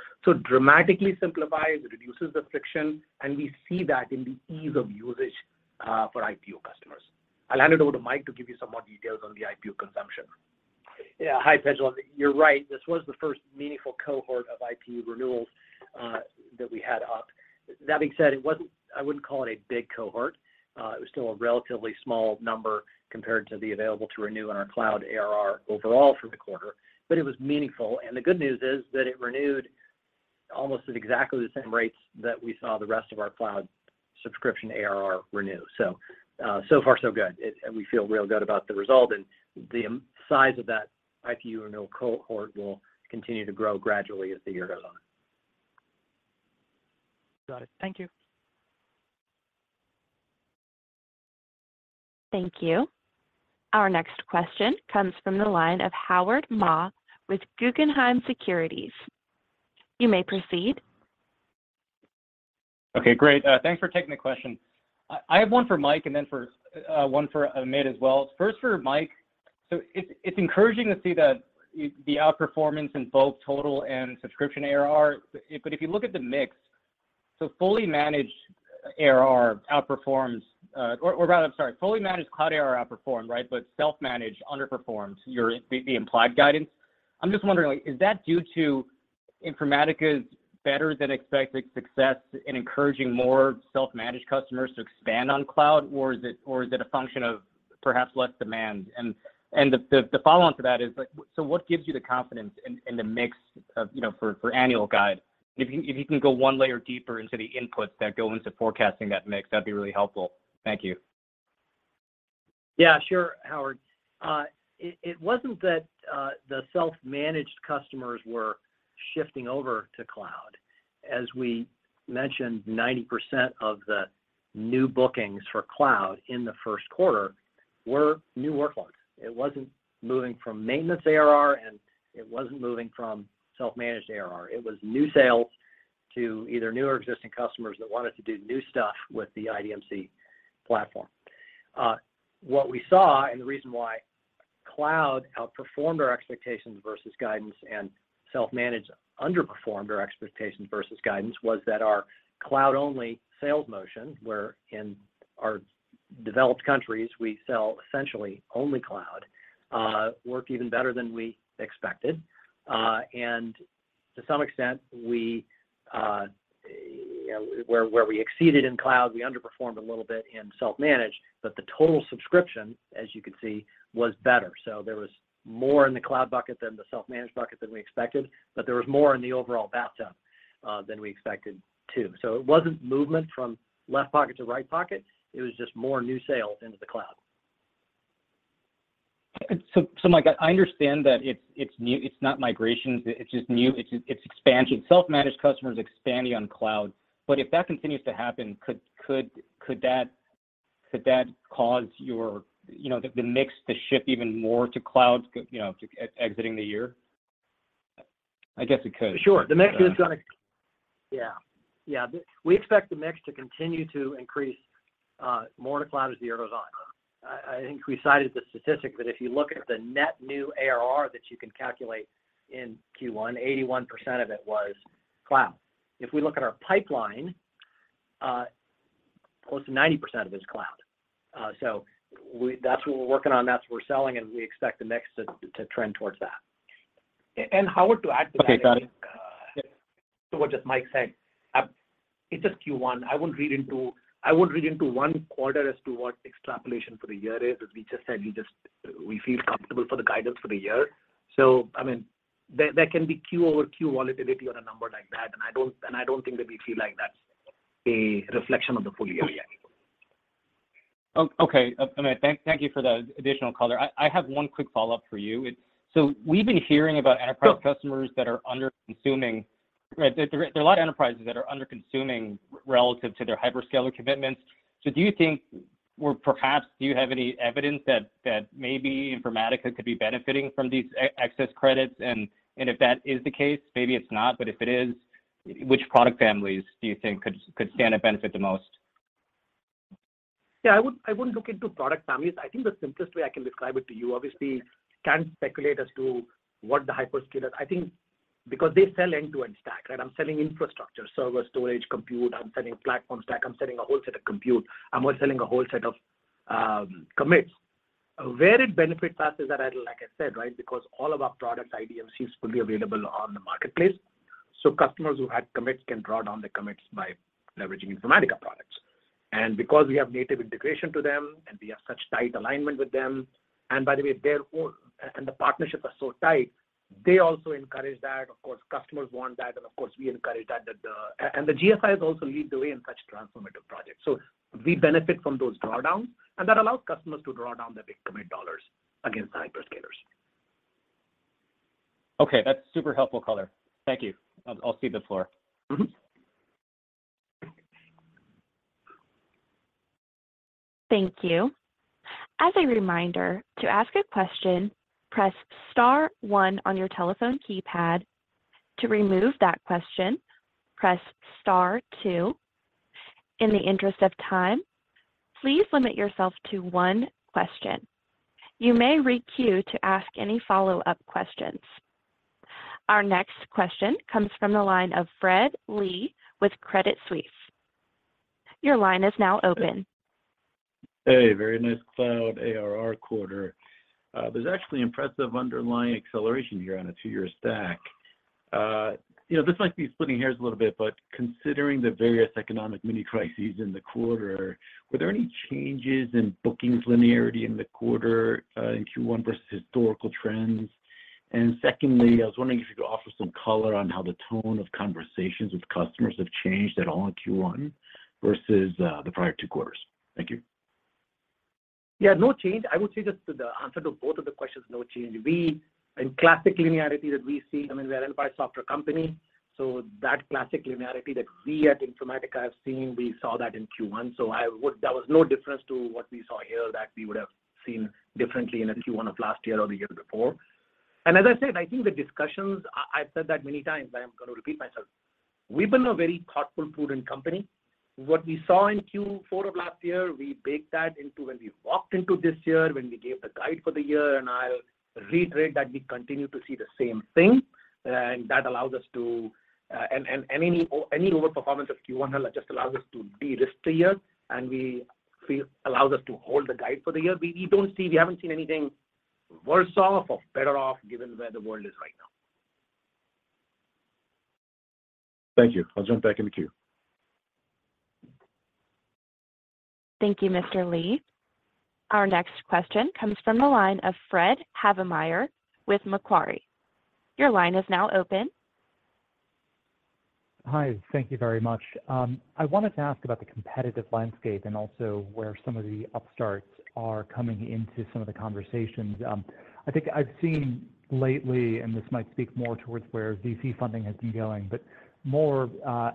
Dramatically simplifies, it reduces the friction, and we see that in the ease of usage for IPU customers. I'll hand it over to Mike to give you some more details on the IPU consumption. Yeah. Hi, Pinjalim. You're right, this was the first meaningful cohort of IPU renewals that we had up. That being said, I wouldn't call it a big cohort. It was still a relatively small number compared to the available to renew in our cloud ARR overall for the quarter, but it was meaningful. The good news is that it renewed almost at exactly the same rates that we saw the rest of our cloud subscription ARR renew. So far so good. We feel real good about the result and the size of that IPU renewal cohort will continue to grow gradually as the year goes on. Got it. Thank you. Thank you. Our next question comes from the line of Howard Ma with Guggenheim Securities. You may proceed. Okay. Great. Thanks for taking the question. I have one for Mike and then for Amit as well. First for Mike. It's encouraging to see that the outperformance in both total and subscription ARR. If you look at the mix, fully managed ARR outperforms, or rather, I'm sorry, fully managed cloud ARR outperformed, right? Self-managed underperformed your implied guidance. I'm just wondering like, is that due to Informatica's better than expected success in encouraging more self-managed customers to expand on cloud? Or is it a function of perhaps less demand? The follow-on to that is like, what gives you the confidence in the mix of, you know, for annual guide? If you can go one layer deeper into the inputs that go into forecasting that mix, that'd be really helpful. Thank you. Yeah, sure, Howard. It wasn't that the self-managed customers were shifting over to cloud. As we mentioned, 90% of the new bookings for cloud in the first quarter were new workloads. It wasn't moving from maintenance ARR, and it wasn't moving from self-managed ARR. It was new sales to either new or existing customers that wanted to do new stuff with the IDMC platform. What we saw and the reason why cloud outperformed our expectations versus guidance and self-managed underperformed our expectations versus guidance was that our cloud-only sales motion, where in our developed countries we sell essentially only cloud, worked even better than we expected. And to some extent we, you know, where we exceeded in cloud, we underperformed a little bit in self-managed. The total subscription, as you can see, was better. There was more in the cloud bucket than the self-managed bucket than we expected, but there was more in the overall bathtub than we expected too. It wasn't movement from left pocket to right pocket. It was just more new sales into the cloud. Mike, I understand that it's new. It's not migrations. It's just new. It's expansion. Self-managed customers expanding on cloud. If that continues to happen, could that cause your, you know, the mix to shift even more to cloud, you know, exiting the year? I guess it could. Sure. The mix is gonna... Yeah. Yeah. We expect the mix to continue to increase, more to cloud as the year goes on. I think we cited the statistic that if you look at the net new ARR that you can calculate in Q1, 81% of it was cloud. If we look at our pipeline, close to 90% of it is cloud. That's what we're working on, that's what we're selling, and we expect the mix to trend towards that. Howard, to add to that, I think. Okay, got it. To what just Mike said. It's just Q1. I wouldn't read into 1 quarter as to what extrapolation for the year is. As we just said, we feel comfortable for the guidance for the year. I mean, there can be Q over Q volatility on a number like that. I don't think that we feel like that's a reflection of the full year yet. Okay. Amit, thank you for the additional color. I have one quick follow-up for you. It's, we've been hearing about enterprise customers. Sure... that are under-consuming, right? There are a lot of enterprises that are under-consuming relative to their hyperscaler commitments. Do you think, or perhaps do you have any evidence that maybe Informatica could be benefiting from these excess credits? If that is the case, maybe it's not, but if it is, which product families do you think could stand to benefit the most? Yeah, I wouldn't, I wouldn't look into product families. I think the simplest way I can describe it to you, obviously can't speculate as to what the hyperscalers... I think because they sell end-to-end stack, right? I'm selling infrastructure, server, storage, compute. I'm selling platform stack. I'm selling a whole set of compute. I'm also selling a whole set of commits. Where it benefits us is that, like I said, right, because all of our products, IDMC is fully available on the marketplace. Customers who had commits can draw down the commits by leveraging Informatica products. Because we have native integration to them, and we have such tight alignment with them, and by the way, the partnerships are so tight, they also encourage that. Of course, customers want that, and of course, we encourage that. The GSIs also lead the way in such transformative projects. We benefit from those drawdowns, and that allows customers to draw down their big commit dollars against hyperscalers. Okay. That's super helpful color. Thank you. I'll cede the floor. Mm-hmm. Thank you. As a reminder, to ask a question, press star one on your telephone keypad. To remove that question, press star two. In the interest of time, please limit yourself to one question. You may re-queue to ask any follow-up questions. Our next question comes from the line of Fred Lee with Credit Suisse. Your line is now open. Hey, very nice cloud ARR quarter. There's actually impressive underlying acceleration here on a two year stack. You know, this might be splitting hairs a little bit, but considering the various economic mini crises in the quarter, were there any changes in bookings linearity in the quarter in Q1 versus historical trends? Secondly, I was wondering if you could offer some color on how the tone of conversations with customers have changed at all in Q1 versus the prior two quarters. Thank you. No change. I would say just to the answer to both of the questions, no change. In classic linearity that we see, I mean, we are an enterprise software company, that classic linearity that we at Informatica have seen, we saw that in Q1. That was no difference to what we saw here that we would have seen differently in a Q1 of last year or the year before. As I said, I think the discussions, I've said that many times, but I'm gonna repeat myself. We've been a very thoughtful, prudent company. What we saw in Q4 of last year, we baked that into when we walked into this year, when we gave the guide for the year, I'll reiterate that we continue to see the same thing. That allows us to, and any lower performance of Q1 just allows us to be riskier, and we feel allows us to hold the guide for the year. We haven't seen anything worse off or better off given where the world is right now. Thank you. I'll jump back in the queue. Thank you, Mr. Lee. Our next question comes from the line of Fred Havemeyer with Macquarie. Your line is now open. Hi. Thank you very much. I wanted to ask about the competitive landscape and also where some of the upstarts are coming into some of the conversations. I think I've seen lately, and this might speak more towards where VC funding has been going, but more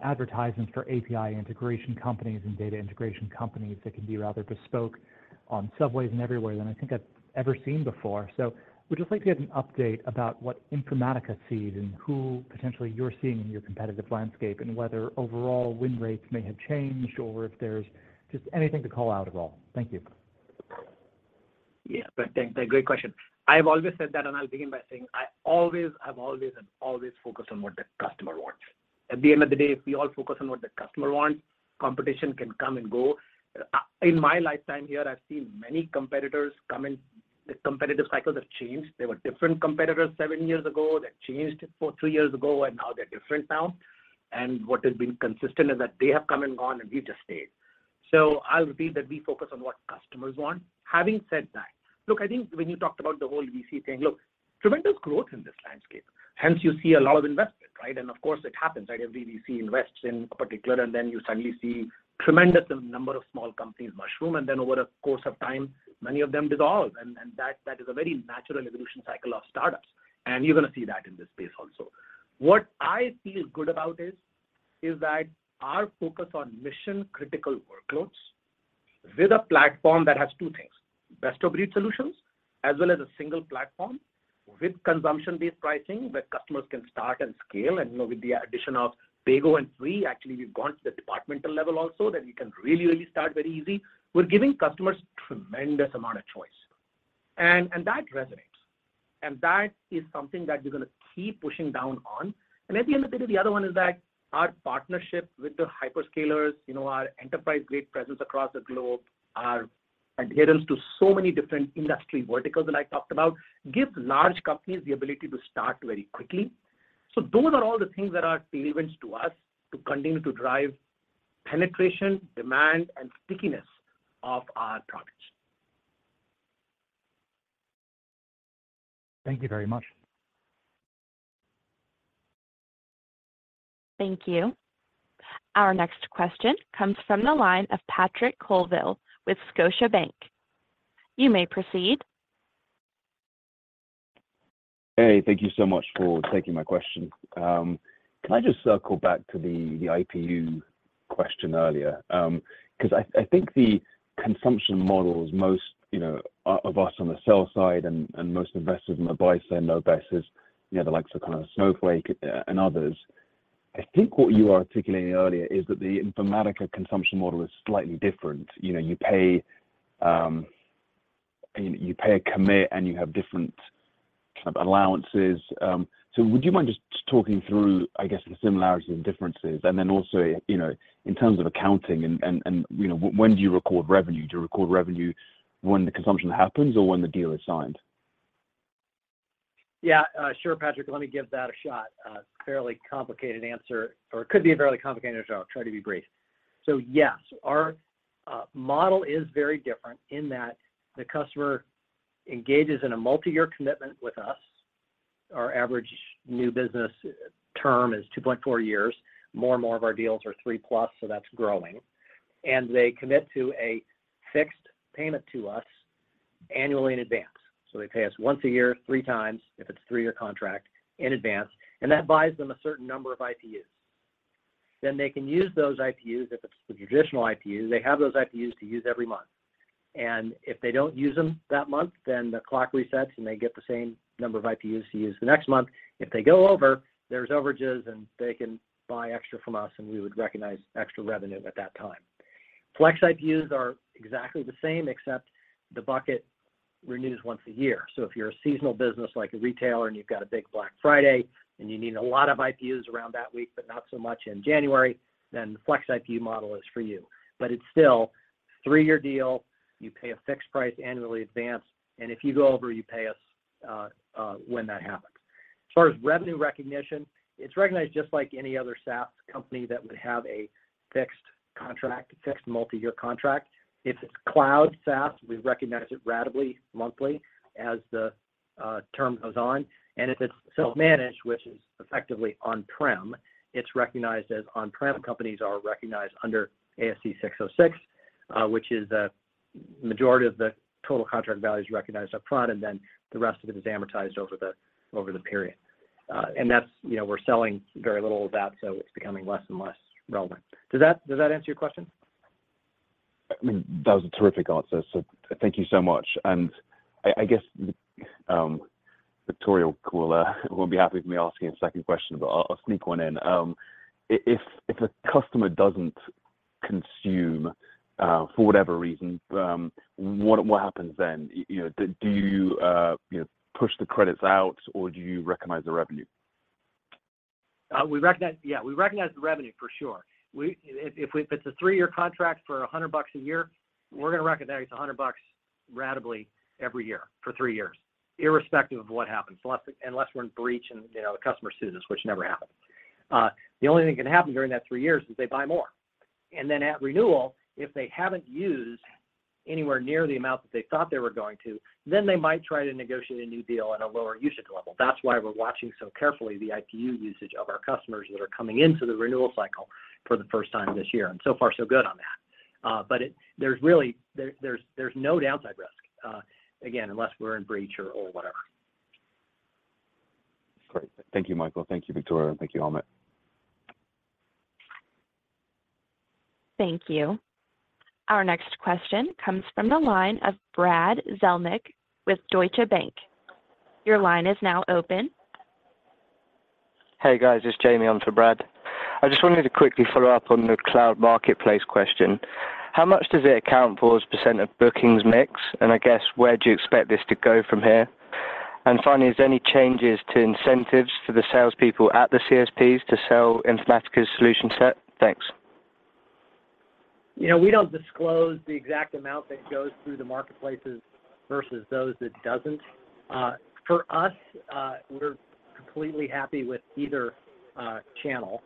advertisements for API integration companies and data integration companies that can be rather bespoke on subways and everywhere than I think I've ever seen before. Would just like to get an update about what Informatica sees and who potentially you're seeing in your competitive landscape and whether overall win rates may have changed or if there's just anything to call out at all. Thank you. Yeah. Great question. I've always said that, and I'll begin by saying I always have always and always focus on what the customer wants. At the end of the day, if we all focus on what the customer wants, competition can come and go. In my lifetime here, I've seen many competitors come and the competitive cycles have changed. There were different competitors seven years ago that changed it for two years ago, now they're different now. What has been consistent is that they have come and gone, and we've just stayed. I'll repeat that we focus on what customers want. Having said that, look, I think when you talked about the whole VC thing, look, tremendous growth in this landscape, hence you see a lot of investment, right? Of course, it happens, right? A VVC invests in a particular, and then you suddenly see tremendous number of small companies mushroom, and then over the course of time, many of them dissolve. that is a very natural evolution cycle of startups, and you're gonna see that in this space also. What I feel good about is that our focus on mission-critical workloads with a platform that has two things: best-of-breed solutions as well as a single platform with consumption-based pricing where customers can start and scale. you know, with the addition of PayGo and Free, actually we've gone to the departmental level also that you can really start very easy. We're giving customers tremendous amount of choice, and that resonates. that is something that we're gonna keep pushing down on. At the end of the day, the other one is that our partnership with the hyperscalers, you know, our enterprise-grade presence across the globe, our adherence to so many different industry verticals that I talked about, gives large companies the ability to start very quickly. Those are all the things that are tailwinds to us to continue to drive penetration, demand, and stickiness of our products. Thank you very much. Thank you. Our next question comes from the line of Patrick Colville with Scotiabank. You may proceed. Hey, thank you so much for taking my question. Can I just circle back to the IPU question earlier? 'Cause I think the consumption models most, you know, of us on the sell side and most investors on the buy side know best is, you know, the likes of kind of Snowflake and others. I think what you were articulating earlier is that the Informatica consumption model is slightly different. You know, you pay a commit, and you have different kind of allowances. Would you mind just talking through, I guess, the similarities and differences? Then also, you know, in terms of accounting and, you know, when do you record revenue? Do you record revenue when the consumption happens or when the deal is signed? Yeah, sure, Patrick, let me give that a shot. A fairly complicated answer, or it could be a fairly complicated answer. I'll try to be brief. Yes, our model is very different in that the customer engages in a multi-year commitment with us. Our average new business term is 2.4 years. More and more of our deals are 3+, so that's growing. They commit to a fixed payment to us annually in advance. They pay us once a year, 3 times if it's a 3-year contract in advance, and that buys them a certain number of IPUs. They can use those IPUs. If it's the traditional IPU, they have those IPUs to use every month. If they don't use them that month, then the clock resets, and they get the same number of IPUs to use the next month. If they go over, there's overages, and they can buy extra from us, and we would recognize extra revenue at that time. Flex IPUs are exactly the same, except the bucket renews once a year. If you're a seasonal business like a retailer, and you've got a big Black Friday, and you need a lot of IPUs around that week, but not so much in January, then the flex IPU model is for you. It's still three-year deal. You pay a fixed price annually advanced, and if you go over, you pay us when that happens. As far as revenue recognition, it's recognized just like any other SaaS company that would have a fixed contract, a fixed multi-year contract. If it's cloud SaaS, we recognize it ratably monthly as the term goes on. If it's self-managed, which is effectively on-prem, it's recognized as on-prem companies are recognized under ASC 606, which is a majority of the total contract value is recognized up front, and then the rest of it is amortized over the period. That's, you know, we're selling very little of that, so it's becoming less and less relevant. Does that answer your question? I mean, that was a terrific answer. Thank you so much. I guess, Victoria will, won't be happy with me asking a second question, but I'll sneak one in. If a customer doesn't consume, for whatever reason, what happens then? You know, do you know, push the credits out, or do you recognize the revenue? We recognize, yeah, we recognize the revenue for sure. If it's a three-year contract for $100 a year, we're gonna recognize $100 ratably every year for three years, irrespective of what happens. Unless we're in breach, and you know, the customer sues us, which never happens. The only thing that can happen during that three years is they buy more. At renewal, if they haven't used anywhere near the amount that they thought they were going to, then they might try to negotiate a new deal at a lower usage level. That's why we're watching so carefully the IPU usage of our customers that are coming into the renewal cycle for the first time this year. So far, so good on that. There's no downside risk, again, unless we're in breach or whatever. Great. Thank you, Michael. Thank you, Victoria. Thank you, Amit. Thank you. Our next question comes from the line of Brad Zelnick with Deutsche Bank. Your line is now open. Hey, guys, it's Jamie on for Brad. I just wanted to quickly follow up on the cloud marketplace question. How much does it account for as a parcent of bookings mix? I guess, where do you expect this to go from here? Finally, is there any changes to incentives to the salespeople at the CSPs to sell Informatica's solution set? Thanks. You know, we don't disclose the exact amount that goes through the marketplaces versus those that doesn't. For us, we're completely happy with either channel.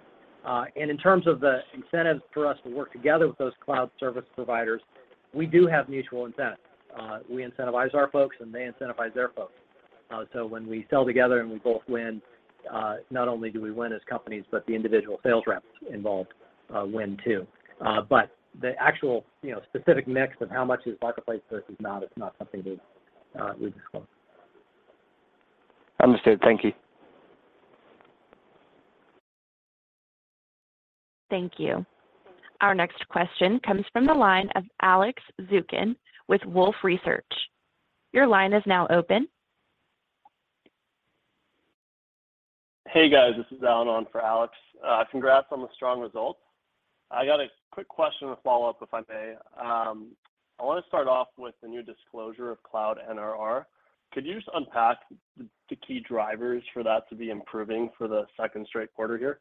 In terms of the incentives for us to work together with those cloud service providers, we do have mutual incentives. We incentivize our folks, and they incentivize their folks. When we sell together and we both win, not only do we win as companies, but the individual sales reps involved win too. The actual, you know, specific mix of how much is marketplace versus not is not something that we disclose. Understood. Thank you. Thank you. Our next question comes from the line of Alex Zukin with Wolfe Research. Your line is now open. Hey, guys, this is Alan on for Alex. Congrats on the strong results. I got a quick question to follow up, if I may. I want to start off with the new disclosure of cloud NRR. Could you just unpack the key drivers for that to be improving for the second straight quarter here,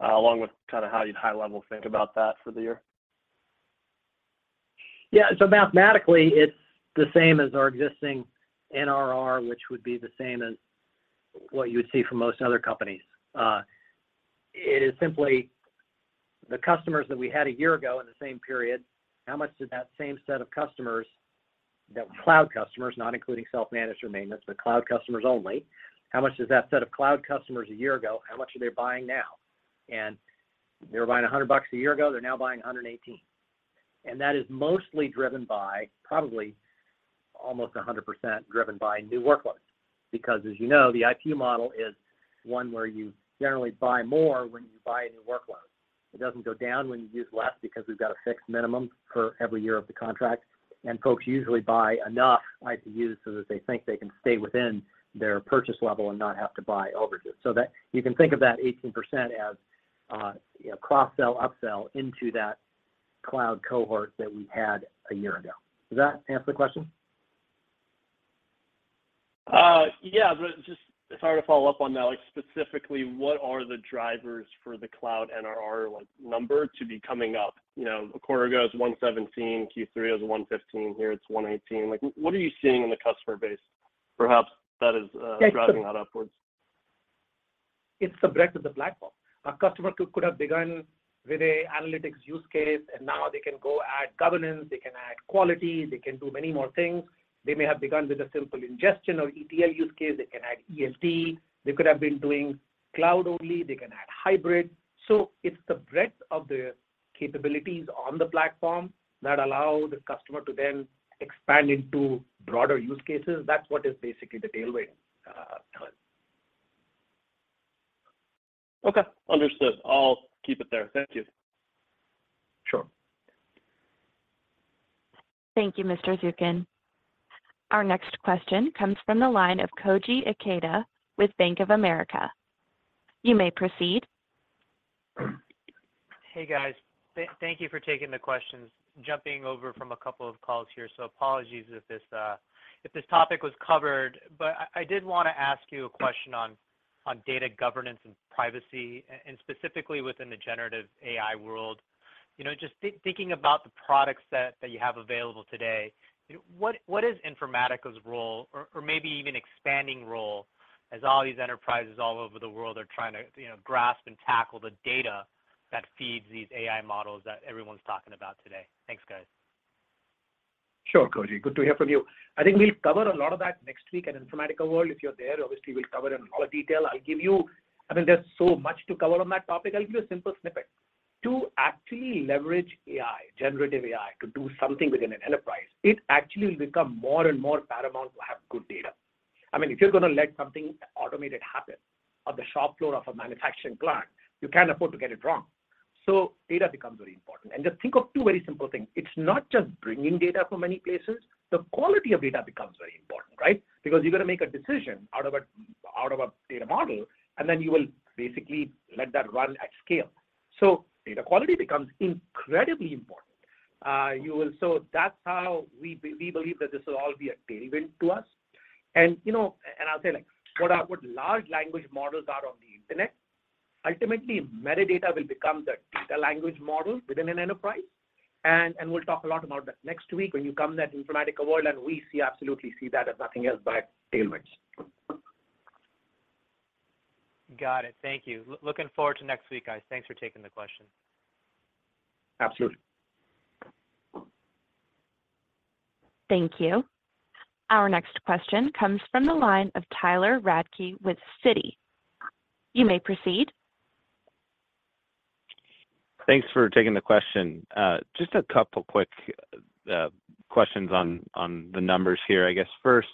along with kind of how you'd high-level think about that for the year? Mathematically, it's the same as our existing NRR, which would be the same as what you would see from most other companies. It is simply the customers that we had a year ago in the same period, how much did that same set of customers, the cloud customers, not including self-managed or maintenance, but cloud customers only. How much does that set of cloud customers a year ago, how much are they buying now? They were buying $100 a year ago, they're now buying $118. That is mostly driven by probably almost 100% driven by new workloads. Because as you know, the IPU model is one where you generally buy more when you buy a new workload. It doesn't go down when you use less because we've got a fixed minimum per every year of the contract, and folks usually buy enough IPUs so that they think they can stay within their purchase level and not have to buy overages. You can think of that 18% as, you know, cross-sell, upsell into that cloud cohort that we had a year ago. Does that answer the question? Yeah, just sorry to follow up on that. Like, specifically, what are the drivers for the cloud NRR, like, number to be coming up? You know, a quarter ago, it was 117%, Q3, it was 115%. Here, it's 118%. Like, what are you seeing in the customer base perhaps that is driving that upwards? It's the breadth of the platform. A customer could have begun with a analytics use case, and now they can go add governance, they can add quality, they can do many more things. They may have begun with a simple ingestion or ETL use case, they can add EFT. They could have been doing cloud only, they can add hybrid. It's the breadth of the capabilities on the platform that allow the customer to then expand into broader use cases. That's what is basically the tailwind. Okay. Understood. I'll keep it there. Thank you. Sure. Thank you, Mr. Zukin. Our next question comes from the line of Koji Ikeda with Bank of America. You may proceed. Hey, guys. Thank you for taking the questions. Jumping over from a couple of calls here, so apologies if this, if this topic was covered. I did wanna ask you a question on data governance and privacy and specifically within the generative AI world. You know, just thinking about the product set that you have available today, what is Informatica's role or maybe even expanding role as all these enterprises all over the world are trying to, you know, grasp and tackle the data that feeds these AI models that everyone's talking about today? Thanks, guys. Sure, Koji. Good to hear from you. I think we'll cover a lot of that next week at Informatica World. If you're there, obviously, we'll cover it in more detail. I mean, there's so much to cover on that topic. I'll give you a simple snippet. To actually leverage AI, generative AI, to do something within an enterprise, it actually will become more and more paramount to have good data. I mean, if you're gonna let something automated happen on the shop floor of a manufacturing plant, you can't afford to get it wrong. Data becomes very important. Just think of two very simple things. It's not just bringing data from many places, the quality of data becomes very important, right? Because you're gonna make a decision out of a data model, and then you will basically let that run at scale. Data quality becomes incredibly important. That's how we believe that this will all be a tailwind to us. You know, and I'll say, like, what large language models are on the internet, ultimately, metadata will become the data language model within an enterprise. We'll talk a lot about that next week when you come to that Informatica World, and we absolutely see that as nothing else but tailwinds. Got it. Thank you. Looking forward to next week, guys. Thanks for taking the question. Absolutely. Thank you. Our next question comes from the line of Tyler Radke with Citi. You may proceed. Thanks for taking the question. Just a couple quick questions on the numbers here. I guess first,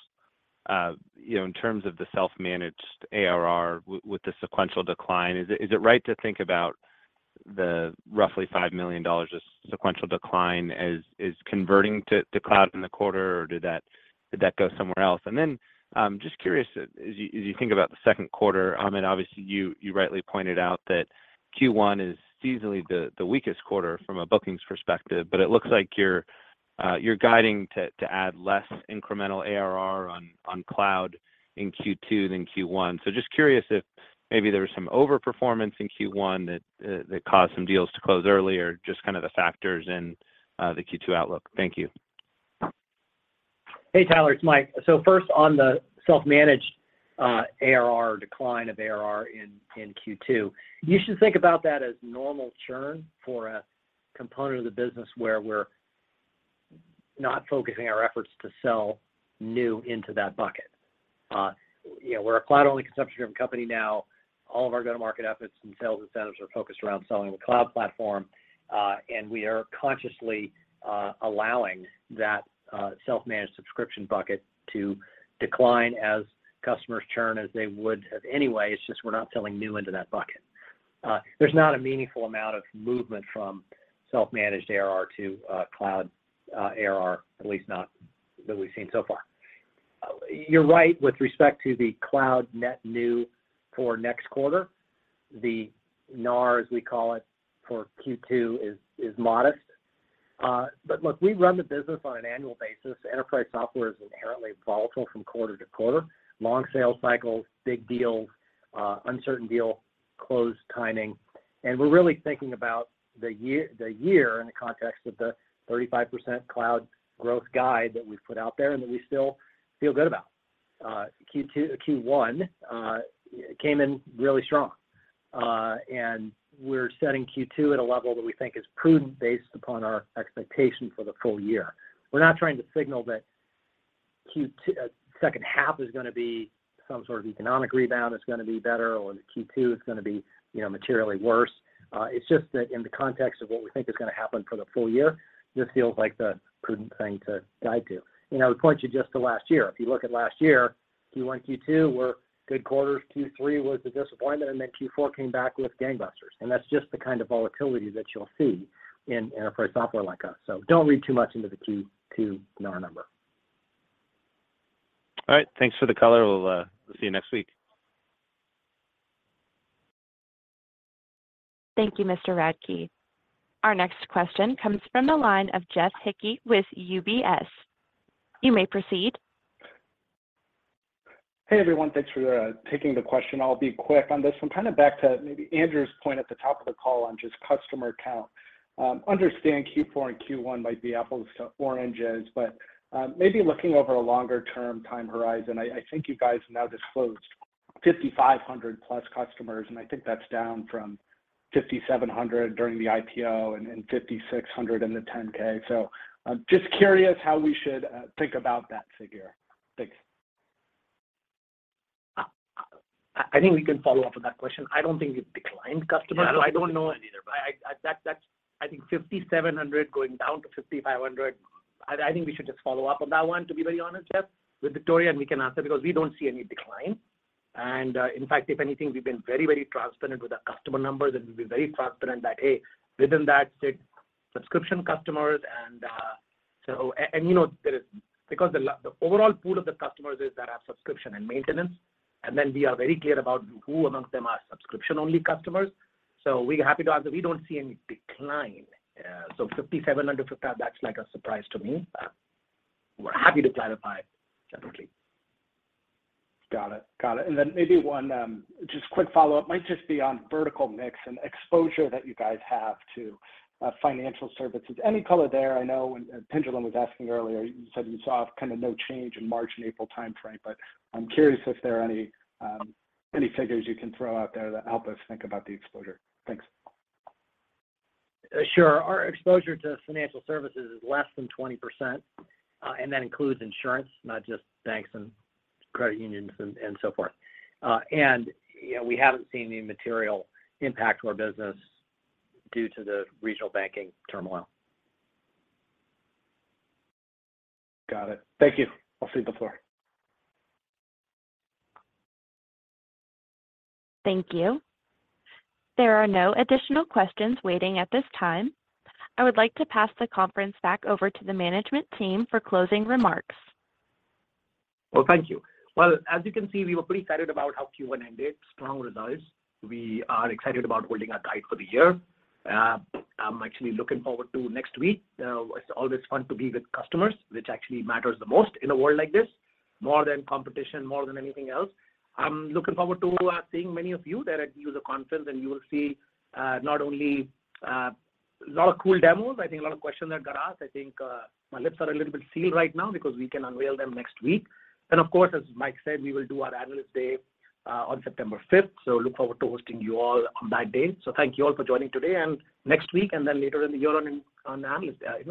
you know, in terms of the self-managed ARR with the sequential decline, is it right to think about the roughly $5 million of sequential decline as converting to cloud in the quarter, or did that go somewhere else? Then, I'm just curious, as you think about the 2nd quarter, Amit, obviously you rightly pointed out that Q1 is seasonally the weakest quarter from a bookings perspective, but it looks like you're guiding to add less incremental ARR on cloud in Q2 than Q1. Just curious if maybe there was some overperformance in Q1 that caused some deals to close earlier, just kind of the factors in the Q2 outlook. Thank you. Hey, Tyler, it's Mike. First on the self-managed ARR, decline of ARR in Q2, you should think about that as normal churn for a component of the business where we're not focusing our efforts to sell new into that bucket. You know, we're a cloud-only subscription company now. All of our go-to-market efforts and sales incentives are focused around selling the cloud platform, we are consciously allowing that self-managed subscription bucket to decline as customers churn as they would have anyway. It's just we're not selling new into that bucket. There's not a meaningful amount of movement from self-managed ARR to cloud ARR, at least not that we've seen so far. You're right with respect to the cloud net new for next quarter. The NAR, as we call it, for Q2 is modest. Look, we run the business on an annual basis. Enterprise software is inherently volatile from quarter to quarter. Long sales cycles, big deals, uncertain deal close timing, and we're really thinking about the year, the year in the context of the 35% cloud growth guide that we put out there and that we still feel good about. Q1 came in really strong. We're setting Q2 at a level that we think is prudent based upon our expectation for the full year. We're not trying to signal that Q2, second half is gonna be some sort of economic rebound, it's gonna be better, or that Q2 is gonna be, you know, materially worse. It's just that in the context of what we think is gonna happen for the full year, this feels like the prudent thing to guide to. You know, to point you just to last year, if you look at last year, Q1, Q2 were good quarters, Q3 was the disappointment. Q4 came back with gangbusters. That's just the kind of volatility that you'll see in enterprise software like us. Don't read too much into the Q2 NAR number. All right. Thanks for the color. We'll, we'll see you next week. Thank you, Mr. Radke. Our next question comes from the line of Jeff Hickey with UBS. You may proceed. Hey, everyone. Thanks for taking the question. I'll be quick on this. I'm kind of back to maybe Andrew's point at the top of the call on just customer count. Understand Q4 and Q1 might be apples to oranges, but maybe looking over a longer-term time horizon, I think you guys have now disclosed 5,500 plus customers, and I think that's down from 5,700 during the IPO and 5,600 in the 10-K. I'm just curious how we should think about that figure. Thanks. I think we can follow up with that question. I don't think we've declined customers, so I don't know. I don't know of any either, but. I think 5,700 going down to 5,500, I think we should just follow up on that one to be very honest, Jeff, with Victoria. We can answer because we don't see any decline. In fact, if anything, we've been very, very transparent with our customer numbers. We've been very transparent that, hey, within that sit subscription customers and you know, there is because the overall pool of the customers is that are subscription and maintenance. We are very clear about who amongst them are subscription-only customers. We're happy to answer. We don't see any decline. 5,700, 55, that's like a surprise to me. We're happy to clarify separately. Got it. Got it. Then maybe one, just quick follow-up, might just be on vertical mix and exposure that you guys have to financial services. Any color there? I know when Pinjalim Bora was asking earlier, you said you saw kind of no change in March and April time frame. I'm curious if there are any figures you can throw out there that help us think about the exposure. Thanks. Sure. Our exposure to financial services is less than 20%, and that includes insurance, not just banks and credit unions and so forth. You know, we haven't seen any material impact to our business due to the regional banking turmoil. Got it. Thank you. I'll cede the floor. Thank you. There are no additional questions waiting at this time. I would like to pass the conference back over to the management team for closing remarks. Well, thank you. Well, as you can see, we were pretty excited about how Q1 ended. Strong results. We are excited about holding our guide for the year. I'm actually looking forward to next week. It's always fun to be with customers, which actually matters the most in a world like this, more than competition, more than anything else. I'm looking forward to seeing many of you there at user conference, and you will see not only a lot of cool demos, I think a lot of questions that got asked. I think my lips are a little bit sealed right now because we can unveil them next week. Of course, as Mike said, we will do our analyst day on September fifth. Look forward to hosting you all on that day. Thank you all for joining today and next week and then later in the year on Analyst Day.